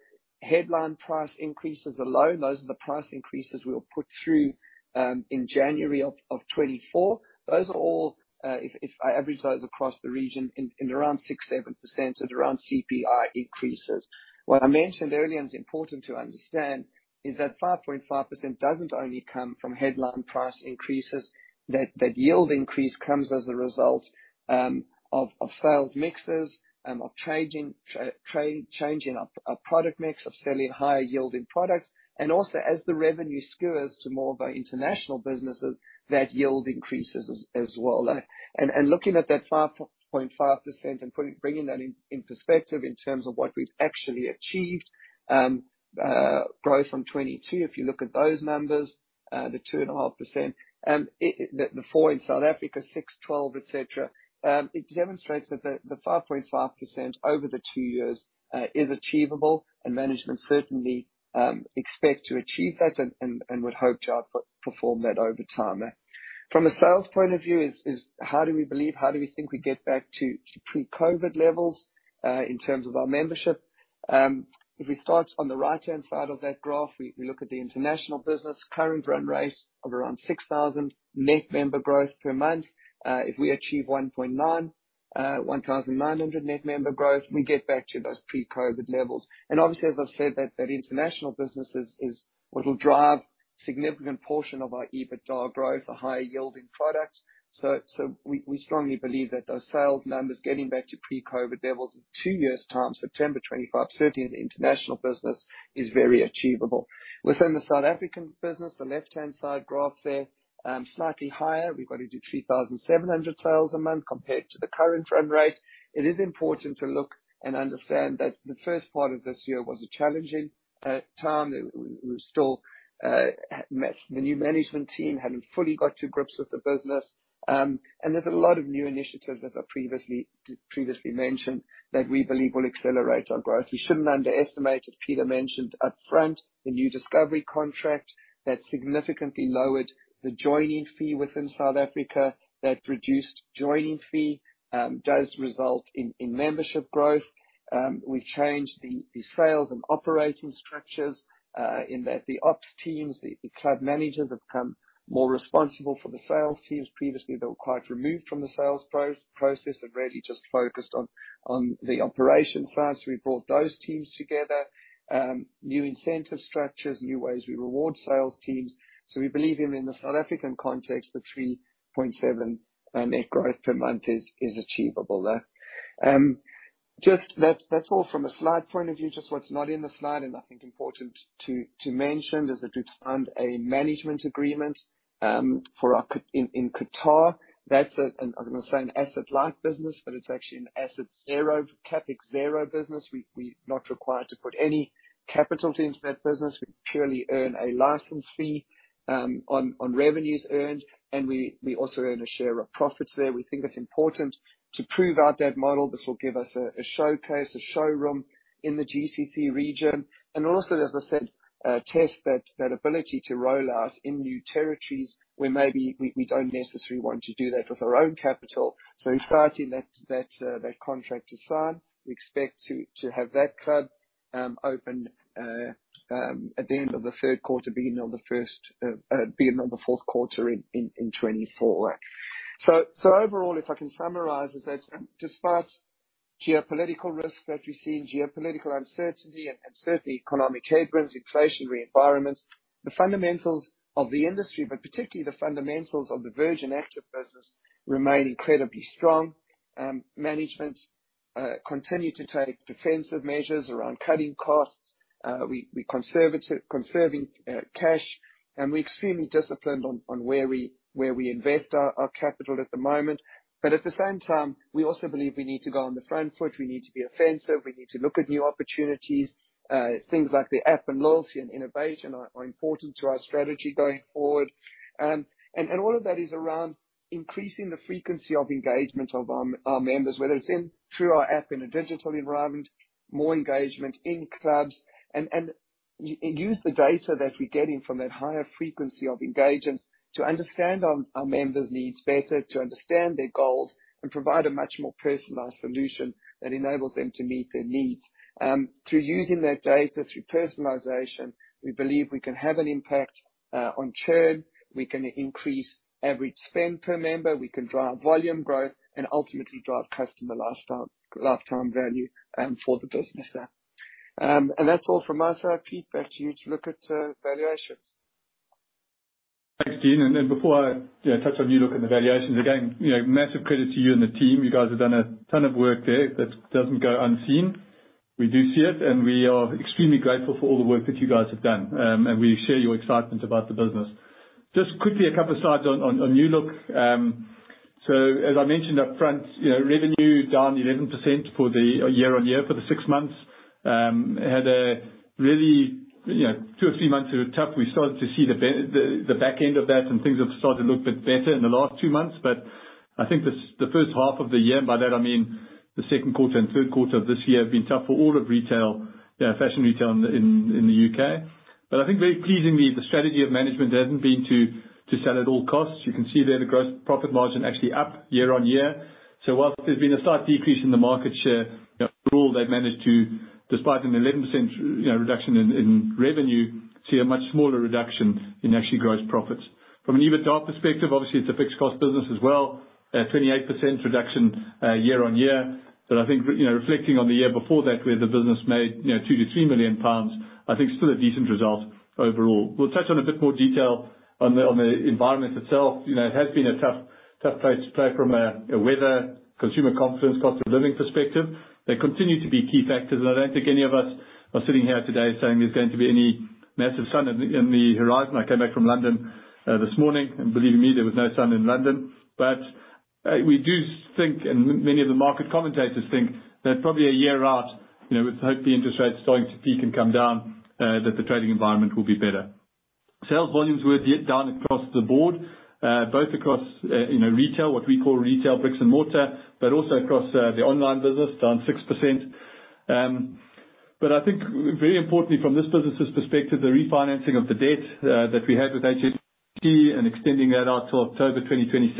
headline price increases are low. Those are the price increases we will put through in January of 2024. Those are all, if I average across the region, in around 6%-7%, at around CPI increases. What I mentioned earlier, and it's important to understand, is that 5.5% doesn't only come from headline price increases. That yield increase comes as a result of sales mixes, of changing our product mix, of selling higher yielding products. And also, as the revenue shifts to more of our international businesses, that yield increases as well. Looking at that 5.5% and bringing that in perspective in terms of what we've actually achieved, growth from 2022, if you look at those numbers, the 2.5%, the four in South Africa, 6, 12, etc., it demonstrates that the 5.5% over the two years is achievable, and management certainly expect to achieve that and would hope to outperform that over time. From a sales point of view, how do we believe, how do we think we get back to pre-COVID levels in terms of our membership? If we start on the right-hand side of that graph, we look at the international business, current run rate of around 6,000 net member growth per month. If we achieve 1.9, 1,900 net member growth, we get back to those pre-COVID levels. Obviously, as I've said, that international business is what will drive significant portion of our EBITDA growth are higher yielding products. So we strongly believe that those sales numbers getting back to pre-COVID levels in two years' time, September 2025, certainly in the international business, is very achievable. Within the South African business, the left-hand side graph there, slightly higher. We've got to do 3,700 sales a month compared to the current run rate. It is important to look and understand that the first part of this year was a challenging time. We're still, the new management team hadn't fully got to grips with the business. And there's a lot of new initiatives, as I previously mentioned, that we believe will accelerate our growth. We shouldn't underestimate, as Peter mentioned upfront, the new Discovery contract that significantly lowered the joining fee within South Africa. That reduced joining fee does result in membership growth. We've changed the sales and operating structures in that the ops teams, the club managers have become more responsible for the sales teams. Previously, they were quite removed from the sales process and really just focused on the operations side, so we brought those teams together. New incentive structures, new ways we reward sales teams. So we believe in the South African context, the 3.7 net growth per month is achievable there. That's all from a slide point of view. Just what's not in the slide, and I think important to mention, is that we've signed a management agreement for our club in Qatar. That's an, I was gonna say an asset-light business, but it's actually an asset zero, CapEx zero business. We're not required to put any capital into that business. We purely earn a license fee on revenues earned, and we also earn a share of profits there. We think it's important to prove out that model. This will give us a showcase, a showroom in the GCC region, and also, as I said, test that ability to roll out in new territories where maybe we don't necessarily want to do that with our own capital. So we're starting that contract to sign. We expect to have that club-... At the end of the Q3, being the Q4 in 2024. So overall, if I can summarize, is that despite geopolitical risks that we've seen, geopolitical uncertainty and certainly economic headwinds, inflationary environments, the fundamentals of the industry, but particularly the fundamentals of the Virgin Active business, remain incredibly strong. Management continue to take defensive measures around cutting costs. We conserving cash, and we're extremely disciplined on where we invest our capital at the moment. But at the same time, we also believe we need to go on the front foot, we need to be offensive, we need to look at new opportunities. Things like the app and loyalty and innovation are important to our strategy going forward. And all of that is around increasing the frequency of engagement of our members, whether it's in through our app in a digital environment, more engagement in clubs, and use the data that we're getting from that higher frequency of engagement to understand our members' needs better, to understand their goals, and provide a much more personalized solution that enables them to meet their needs. Through using that data, through personalization, we believe we can have an impact on churn, we can increase average spend per member, we can drive volume growth, and ultimately drive customer lifetime value for the business there. That's all from my side. Pete, back to you to look at valuations. Thanks, Dean. And then before I, you know, touch on New Look and the valuations, again, you know, massive credit to you and the team. You guys have done a ton of work there that doesn't go unseen. We do see it, and we are extremely grateful for all the work that you guys have done, and we share your excitement about the business. Just quickly, a couple slides on New Look. So as I mentioned up front, you know, revenue down 11% year-over-year for the six months. Had a really, you know, two or three months that were tough. We started to see the, the back end of that, and things have started to look a bit better in the last two months. But I think the first half of the year, and by that I mean the Q2 and Q3 of this year, have been tough for all of retail, fashion retail in the U.K. But I think very pleasingly, the strategy of management hasn't been to sell at all costs. You can see there the gross profit margin actually up year-on-year. So whilst there's been a slight decrease in the market share, you know, overall, they've managed to, despite an 11%, you know, reduction in revenue, see a much smaller reduction in actually gross profits. From an EBITDA perspective, obviously, it's a fixed cost business as well, 28% reduction year-on-year. But I think, you know, reflecting on the year before that, where the business made, you know, 2-3 million pounds, I think still a decent result overall. We'll touch on a bit more detail on the environment itself. You know, it has been a tough, tough place to play from a weather, consumer confidence, cost of living perspective. They continue to be key factors, and I don't think any of us are sitting here today saying there's going to be any massive sun in the horizon. I came back from London this morning, and believe me, there was no sun in London. But, we do think, and many of the market commentators think, that probably a year out, you know, with hopefully interest rates starting to peak and come down, that the trading environment will be better. Sales volumes were down across the board, both across, you know, retail, what we call retail, bricks and mortar, but also across, the online business, down 6%. But I think very importantly from this business's perspective, the refinancing of the debt, that we had with HSBC and extending that out to October 2026,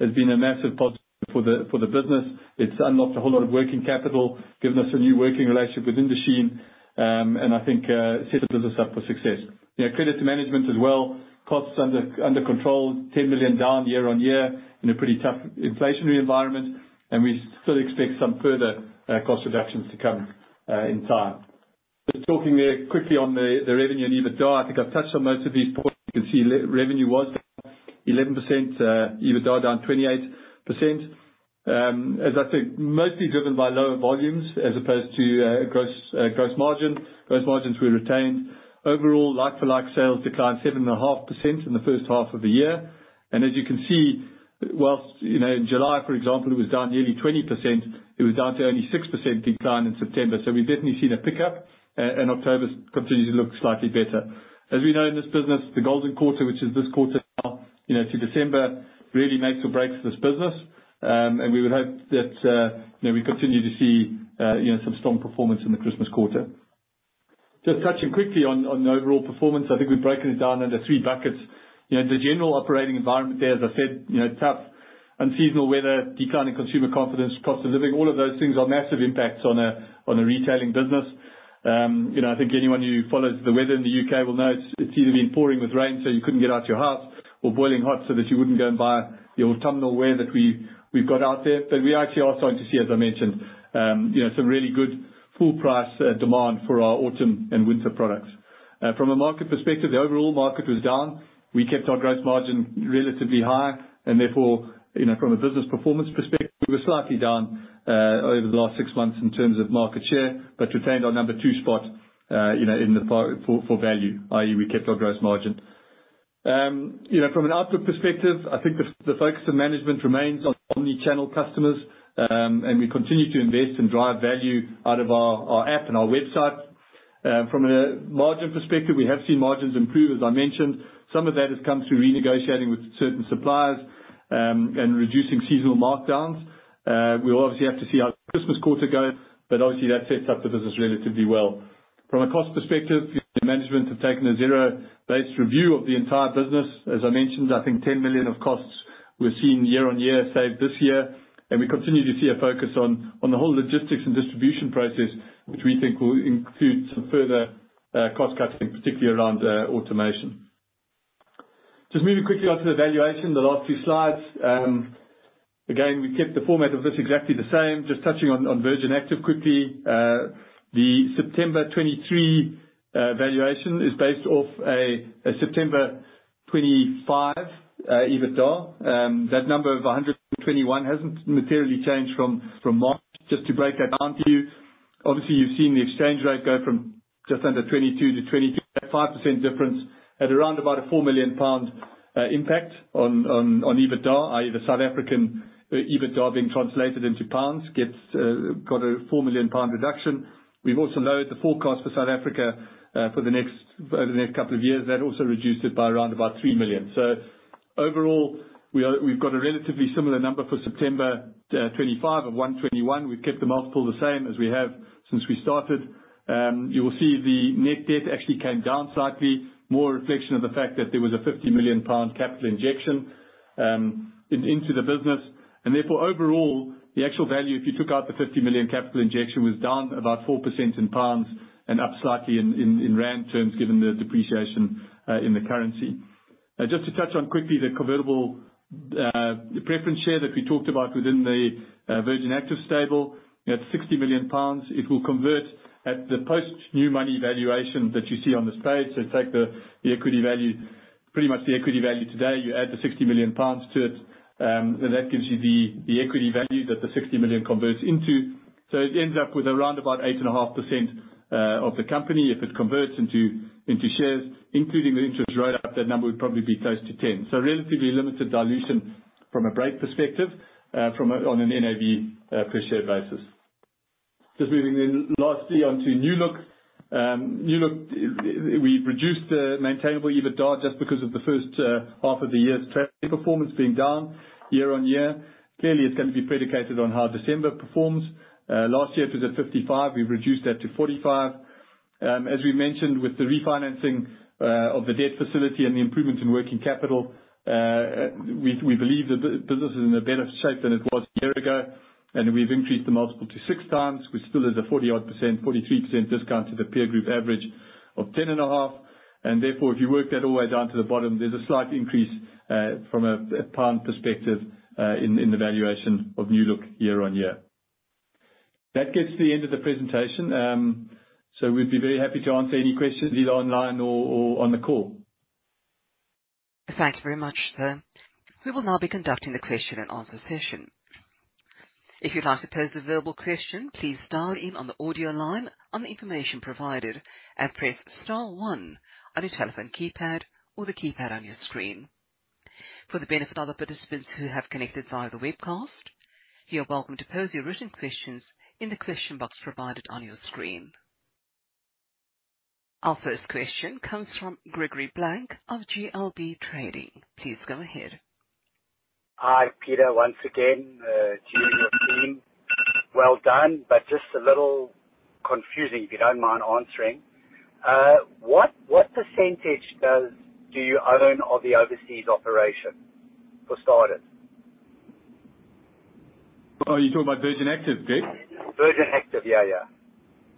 has been a massive positive for the business. It's unlocked a whole lot of working capital, given us a new working relationship with Inditex, and I think, set the business up for success. You know, credit to management as well, costs under control, 10 million down year-on-year in a pretty tough inflationary environment, and we still expect some further, cost reductions to come, in time. So talking there quickly on the revenue and EBITDA, I think I've touched on most of these points. You can see revenue was 11%, EBITDA down 28%. As I said, mostly driven by lower volumes as opposed to gross margin. Gross margins were retained. Overall, like for like, sales declined 7.5% in the first half of the year. And as you can see, while, you know, in July, for example, it was down nearly 20%, it was down to only 6% decline in September. So we've definitely seen a pickup, and October continues to look slightly better. As we know in this business, the golden quarter, which is this quarter now, you know, to December, really makes or breaks this business. And we would hope that, you know, we continue to see, you know, some strong performance in the Christmas quarter. Just touching quickly on the overall performance, I think we've broken it down into three buckets. You know, the general operating environment there, as I said, you know, tough, unseasonal weather, declining consumer confidence, cost of living, all of those things are massive impacts on a retailing business. You know, I think anyone who follows the weather in the U.K. will know it's either been pouring with rain, so you couldn't get out your house, or boiling hot, so that you wouldn't go and buy the autumnal wear that we've got out there. But we actually are starting to see, as I mentioned, you know, some really good full price demand for our autumn and winter products. From a market perspective, the overall market was down. We kept our gross margin relatively high, and therefore, you know, from a business performance perspective, we were slightly down over the last six months in terms of market share, but retained our number two spot, you know, in the pack for value, i.e., we kept our gross margin. You know, from an outlook perspective, I think the focus of management remains on omni-channel customers, and we continue to invest and drive value out of our app and our website. From a margin perspective, we have seen margins improve, as I mentioned. Some of that has come through renegotiating with certain suppliers, and reducing seasonal markdowns. We'll obviously have to see how the Christmas quarter goes, but obviously, that sets up the business relatively well. From a cost perspective, the management have taken a zero-based review of the entire business. As I mentioned, I think 10 million of costs we're seeing year-on-year savings this year, and we continue to see a focus on the whole logistics and distribution process, which we think will include some further cost cutting, particularly around automation. Just moving quickly on to the valuation, the last few slides. Again, we kept the format of this exactly the same, just touching on Virgin Active quickly. The September 2023 valuation is based off a September 2025 EBITDA. That number of 121 hasn't materially changed from March. Just to break that down to you, obviously, you've seen the exchange rate go from just under 22 to 22. That 5% difference had around about a 4 million pound impact on, on, on EBITDA, i.e., the South African EBITDA being translated into pounds, gets, got a 4 million pound reduction. We've also lowered the forecast for South Africa, for the next, the next couple of years. That also reduced it by around about 3 million. So overall, we've got a relatively similar number for September twenty-five of 2021. We've kept the multiple the same as we have since we started. You will see the net debt actually came down slightly, more a reflection of the fact that there was a 50 million pound capital injection, in, into the business. Therefore, overall, the actual value, if you took out the 50 million capital injection, was down about 4% in pounds and up slightly in rand terms, given the depreciation in the currency. Just to touch on quickly, the convertible preference share that we talked about within the Virgin Active stable, at 60 million pounds, it will convert at the post-new money valuation that you see on this page. So take the equity value, pretty much the equity value today, you add the 60 million pounds to it, and that gives you the equity value that the 60 million converts into. So it ends up with around about 8.5% of the company. If it converts into shares, including the interest rate, up that number would probably be close to 10%. So relatively limited dilution from a Brait perspective, from a NAV per share basis. Just moving then lastly on to New Look. New Look, we've reduced the maintainable EBITDA just because of the first half of the year's traffic performance being down year-on-year. Clearly, it's going to be predicated on how December performs. Last year it was at 55. We've reduced that to 45. As we mentioned, with the refinancing of the debt facility and the improvements in working capital, we believe the business is in a better shape than it was a year ago, and we've increased the multiple to 6x, which still is a 40-odd%, 43% discount to the peer group average of 10.5. Therefore, if you work that all the way down to the bottom, there's a slight increase from a pound perspective in the valuation of New Look year-on-year. That gets to the end of the presentation. So we'd be very happy to answer any questions, either online or on the call. Thanks very much, sir. We will now be conducting the question and answer session. If you'd like to pose a verbal question, please dial in on the audio line on the information provided, and press star one on your telephone keypad or the keypad on your screen. For the benefit of the participants who have connected via the webcast, you are welcome to pose your written questions in the question box provided on your screen. Our first question comes from Greg Blanc of G.L. Blanc. Please go ahead. Hi, Peter, once again, to you and your team. Well done, but just a little confusing, if you don't mind answering. What percentage does... do you own of the overseas operation, for starters? Well, are you talking about Virgin Active, Greg? Virgin Active, yeah, yeah.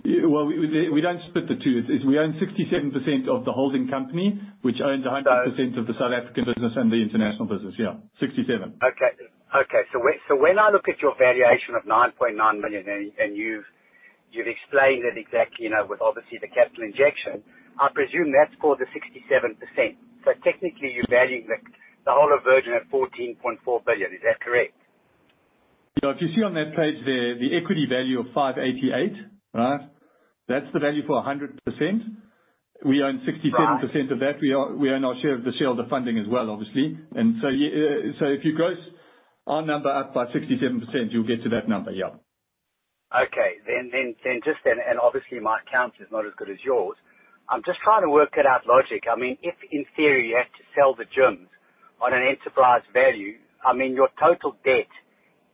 Well, we don't split the two. It's, we own 67% of the holding company, which owns 100%- So- of the South African business and the international business. Yeah, 67. Okay, so when I look at your valuation of 9.9 billion, and you've explained it exactly, you know, with obviously the capital injection, I presume that's for the 67%. So technically, you're valuing the whole of Virgin at 14.4 billion. Is that correct? No, if you see on that page the equity value of 588, right? That's the value for 100%. We own 67% of that. Right. We own, we own our share of the shareholder funding as well, obviously. And so, yeah, so if you gross our number up by 67%, you'll get to that number, yeah. Okay. Then just, and obviously my accounts is not as good as yours. I'm just trying to work it out logic. I mean, if in theory, you had to sell the gyms on an enterprise value, I mean, your total debt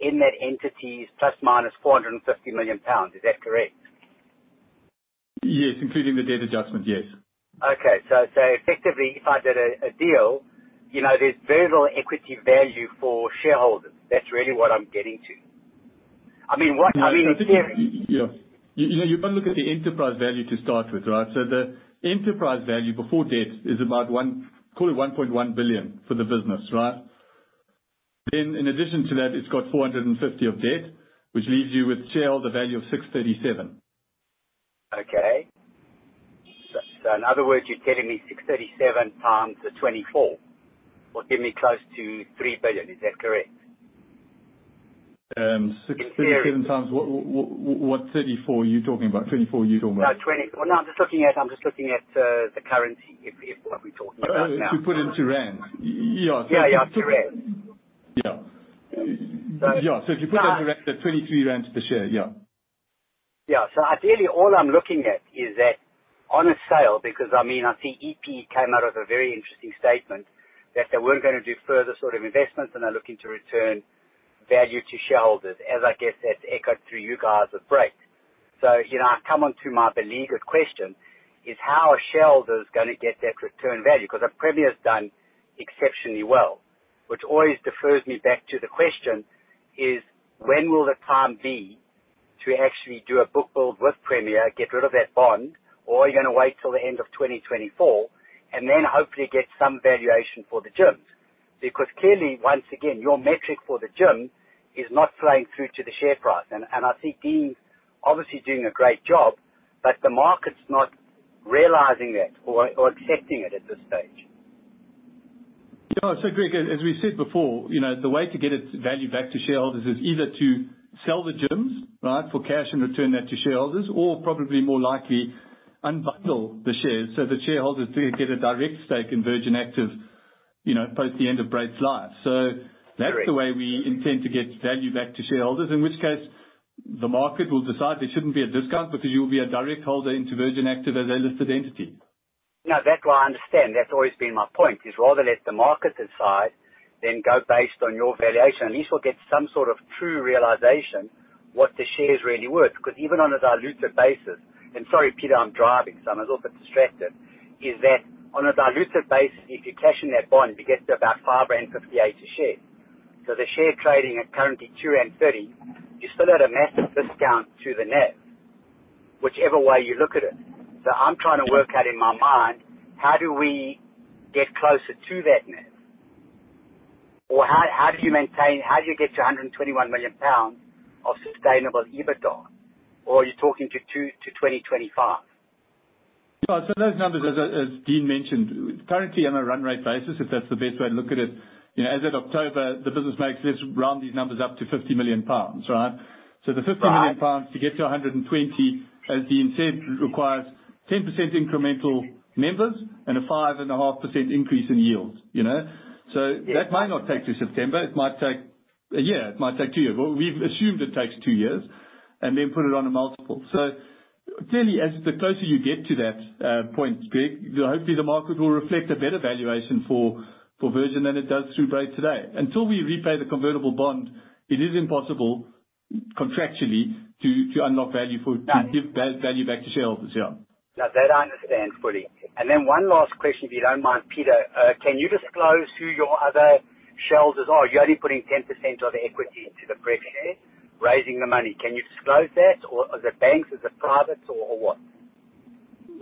in that entity is ± 450 million pounds. Is that correct? Yes, including the debt adjustment, yes. Okay. So effectively, if I did a deal, you know, there's very little equity value for shareholders. That's really what I'm getting to. I mean, in theory- Yeah. You know, you've got to look at the enterprise value to start with, right? So the enterprise value before debt is about 1... call it 1.1 billion for the business, right? Then in addition to that, it's got 450 million of debt, which leaves you with shareholder value of 637 million. Okay. So, so in other words, you're telling me 637 times the 24 will give me close to 3 billion. Is that correct? 637- In theory. Times what, what 34 are you talking about? 24, you talking about? Well, no, I'm just looking at, I'm just looking at, the currency, if, if what we're talking about now. Oh, if you put it into rand. Yeah. Yeah, yeah, into rand. Yeah. So- Yeah, so if you put that into rand, that's ZAR 23 per share, yeah. Yeah. So ideally, all I'm looking at is that on a sale, because, I mean, I see EP came out with a very interesting statement that they weren't gonna do further sort of investments, and are looking to return value to shareholders, as I guess that echoed through you guys at Brait. So, you know, I come on to my beleaguered question, is how are shareholders gonna get that return value? Because Premier's done exceptionally well, which always defers me back to the question is: When will the time be to actually do a book build with Premier, get rid of that bond, or are you gonna wait till the end of 2024, and then hopefully get some valuation for the gyms? Because clearly, once again, your metric for the gym is not flowing through to the share price. and I see Dean obviously doing a great job, but the market's not realizing that or accepting it at this stage. Yeah. So, Greg, as we said before, you know, the way to get its value back to shareholders is either to sell the gyms, right, for cash and return that to shareholders, or probably more likely, unbundle the shares so the shareholders do get a direct stake in Virgin Active, you know, post the end of Brait's life. So that's the way we intend to get value back to shareholders, in which case, the market will decide there shouldn't be a discount because you'll be a direct holder into Virgin Active as a listed entity. No, that's why I understand. That's always been my point, is rather let the market decide, than go based on your valuation. At least we'll get some sort of true realization what the share is really worth. Because even on a dilutive basis... And sorry, Peter, I'm driving, so I'm a little bit distracted. Is that on a dilutive basis, if you cash in that bond, it gets to about 5.58 a share. So the share trading at currently 2.30, you still at a massive discount to the net, whichever way you look at it. So I'm trying to work out in my mind, how do we get closer to that net? Or how, how do you maintain, how do you get to 121 million pounds of sustainable EBITDA, or are you talking to 2, to 2025? Yeah, so those numbers, as Dean mentioned, currently on a run rate basis, if that's the best way to look at it, you know, as of October, the business makes, let's round these numbers up to 50 million pounds, right? Right. The 50 million pounds to get to 120, as Dean said, requires 10% incremental members and a 5.5% increase in yields, you know? Yeah. So that might not take to September. It might take a year, it might take two years. But we've assumed it takes two years, and then put it on a multiple. So clearly, as the closer you get to that point, Greg, hopefully the market will reflect a better valuation for Virgin than it does through Brait today. Until we repay the convertible bond, it is impossible contractually to unlock value for - Yeah. give value back to shareholders, yeah. Now, that I understand fully. And then one last question, if you don't mind, Peter. Can you disclose who your other shareholders are? You're only putting 10% of equity into the Pref shares, raising the money. Can you disclose that, or are they banks, is it privates, or, or what?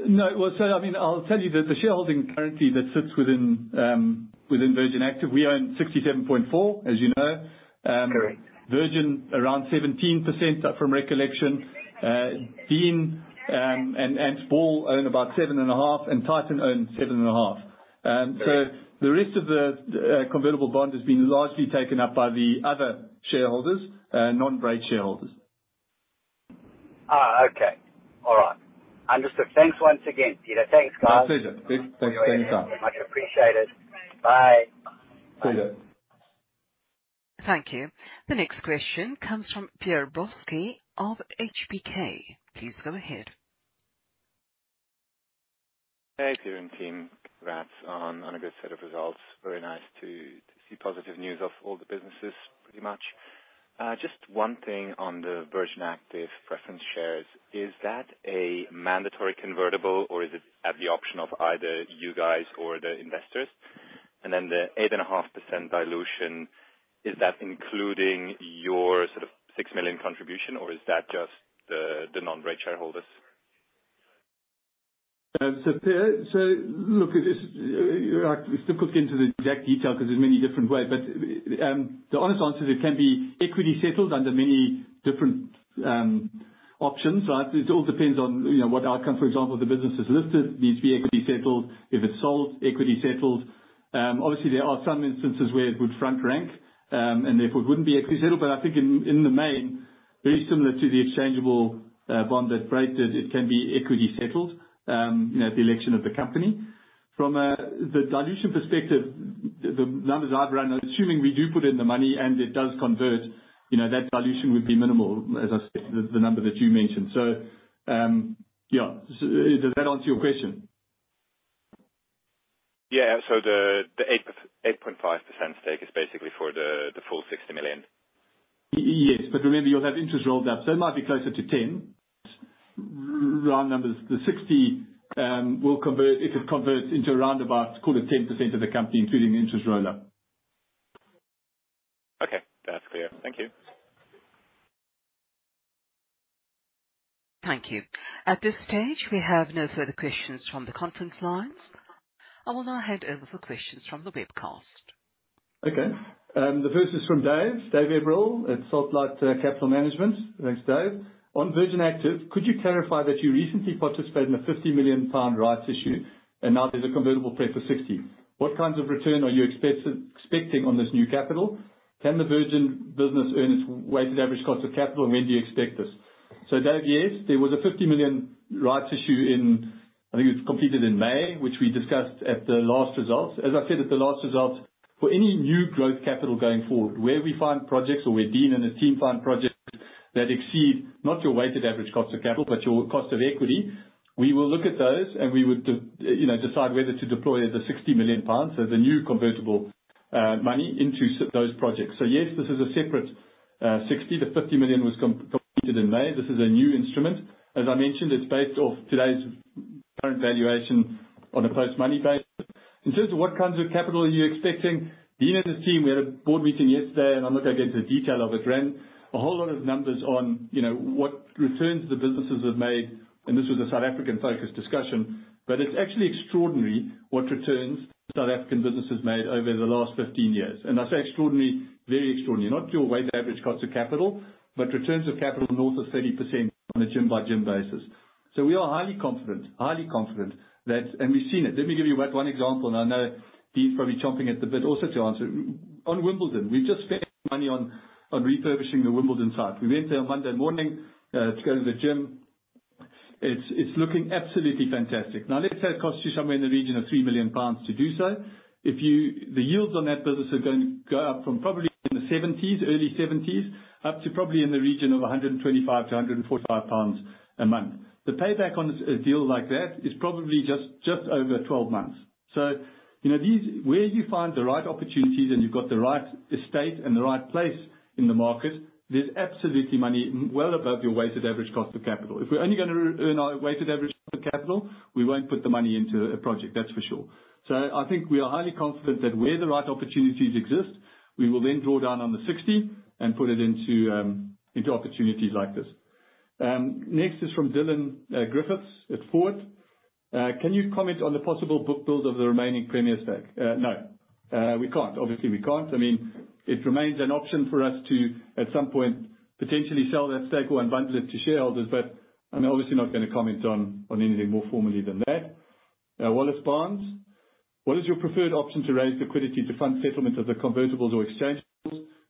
No. Well, so I mean, I'll tell you the shareholding currently that sits within Virgin Active, we own 67.4, as you know. Correct. Virgin, around 17%, from recollection. Dean and Brait own about 7.5%, and Titan owns 7.5%. Great. So the rest of the convertible bond has been largely taken up by the other shareholders, non-Brait shareholders. Ah, okay. All right. Understood. Thanks once again, Peter. Thanks, guys. My pleasure. Thanks, thanks, thanks, Greg. Much appreciated. Bye. See you. Thank you. The next question comes from Pierre Brossy of HBK. Please go ahead. Hey, Peter and team, congrats on a good set of results. Very nice to see positive news of all the businesses, pretty much. Just one thing on the Virgin Active preference shares, is that a mandatory convertible, or is it at the option of either you guys or the investors? And then the 8.5% dilution, is that including your sort of 6 million contribution, or is that just the non-rate shareholders? So, Pierre, so look, it's difficult to get into the exact detail because there's many different ways. But, the honest answer is it can be equity settled under many different options, right? It all depends on, you know, what outcome. For example, the business is listed, needs to be equity settled. If it's sold, equity settled. Obviously, there are some instances where it would front rank, and therefore wouldn't be equity settled. But I think in the main, very similar to the exchangeable bond that Brait did, it can be equity settled, you know, at the election of the company. From the dilution perspective, the numbers I've run, assuming we do put in the money and it does convert, you know, that dilution would be minimal, as I said, the number that you mentioned. So, yeah. So, does that answer your question? Yeah. So the 8.5% stake is basically for the full 60 million? Yes, but remember, you'll have interest rolled up, so it might be closer to 10. Round numbers, the 60 will convert, if it converts into around about call it 10% of the company, including the interest roller. Okay, that's clear. Thank you. Thank you. At this stage, we have no further questions from the conference lines. I will now hand over for questions from the webcast. Okay. The first is from David Eborall at SaltLight Capital Management. Thanks, David. On Virgin Active, could you clarify that you recently participated in a 50 million pound rights issue, and now there's a convertible pref for 60. What kinds of return are you expecting on this new capital? Can the Virgin business earn its weighted average cost of capital, and when do you expect this? So David, yes, there was a 50 million rights issue in, I think it was completed in May, which we discussed at the last results. As I said at the last results, for any new growth capital going forward, where we find projects or where Dean and his team find projects that exceed not your weighted average cost of capital, but your cost of equity, we will look at those, and we would, you know, decide whether to deploy the 60 million pounds as a new convertible issue... money into those projects. So yes, this is a separate, 60-50 million was completed in May. This is a new instrument. As I mentioned, it's based off today's current valuation on a post-money basis. In terms of what kinds of capital are you expecting, Dean and his team, we had a board meeting yesterday, and I'm not going to get into the detail of it. Ran a whole lot of numbers on, you know, what returns the businesses have made, and this was a South African-focused discussion, but it's actually extraordinary what returns South African businesses made over the last 15 years. And I say extraordinary, very extraordinary. Not your weighted average cost of capital, but returns of capital north of 30% on a gym by gym basis. So we are highly confident, highly confident that... And we've seen it. Let me give you one example, and I know Dean's probably chomping at the bit also to answer. On Wimbledon, we've just spent money on refurbishing the Wimbledon site. We went there on Monday morning to go to the gym. It's looking absolutely fantastic. Now, let's say it costs you somewhere in the region of 3 million pounds to do so. The yields on that business are going to go up from probably in the 70s, early 70s, up to probably in the region of 125-145 pounds a month. The payback on a deal like that is probably just over 12 months. So, you know, these, where you find the right opportunities and you've got the right estate and the right place in the market, there's absolutely money well above your weighted average cost of capital. If we're only gonna earn our weighted average cost of capital, we won't put the money into a project, that's for sure. So I think we are highly confident that where the right opportunities exist, we will then draw down on the 60 and put it into opportunities like this. Next is from Dylan Griffiths at Foord. Can you comment on the possible book build of the remaining Premier stake?" No. We can't. Obviously, we can't. I mean, it remains an option for us to, at some point, potentially sell that stake or unbundle it to shareholders, but I'm obviously not gonna comment on anything more formally than that. Wallace Barnes: "What is your preferred option to raise liquidity to fund settlement of the convertibles or exchange?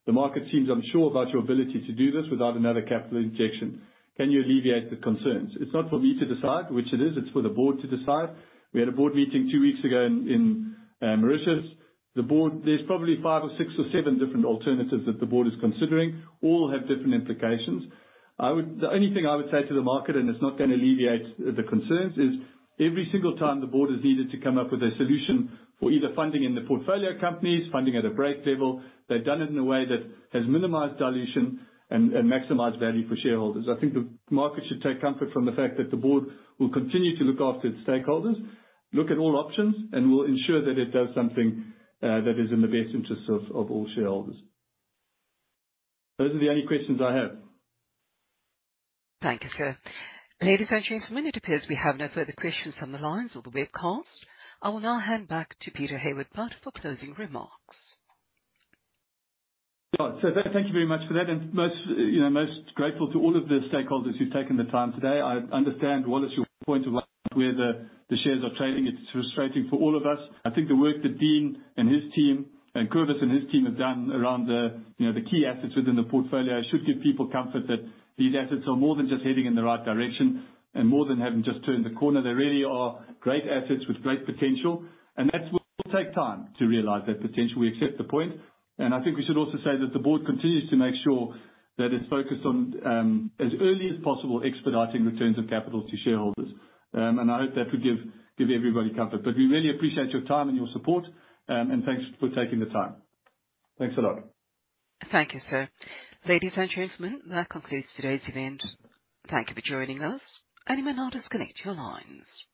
The market seems unsure about your ability to do this without another capital injection. Can you alleviate the concerns?" It's not for me to decide which it is, it's for the board to decide. We had a board meeting two weeks ago in Mauritius. The board... There's probably five or six or seven different alternatives that the board is considering. All have different implications. The only thing I would say to the market, and it's not gonna alleviate the concerns, is every single time the board is needed to come up with a solution for either funding in the portfolio companies, funding at a break level, they've done it in a way that has minimized dilution and maximized value for shareholders. I think the market should take comfort from the fact that the board will continue to look after its stakeholders, look at all options, and will ensure that it does something that is in the best interest of all shareholders. Those are the only questions I have. Thank you, sir. Ladies and gentlemen, it appears we have no further questions from the lines or the webcast. I will now hand back to Peter Hayward-Butt for closing remarks. Well, so thank you very much for that, and most, you know, most grateful to all of the stakeholders who've taken the time today. I understand what is your point of view, where the, the shares are trading. It's frustrating for all of us. I think the work that Dean and his team, and Kobus and his team have done around the, you know, the key assets within the portfolio should give people comfort that these assets are more than just heading in the right direction, and more than having just turned the corner. They really are great assets with great potential, and that will take time to realize that potential. We accept the point, and I think we should also say that the board continues to make sure that it's focused on, as early as possible, expediting returns of capital to shareholders. I hope that will give everybody comfort. But we really appreciate your time and your support, and thanks for taking the time. Thanks a lot. Thank you, sir. Ladies and gentlemen, that concludes today's event. Thank you for joining us, and you may now disconnect your lines.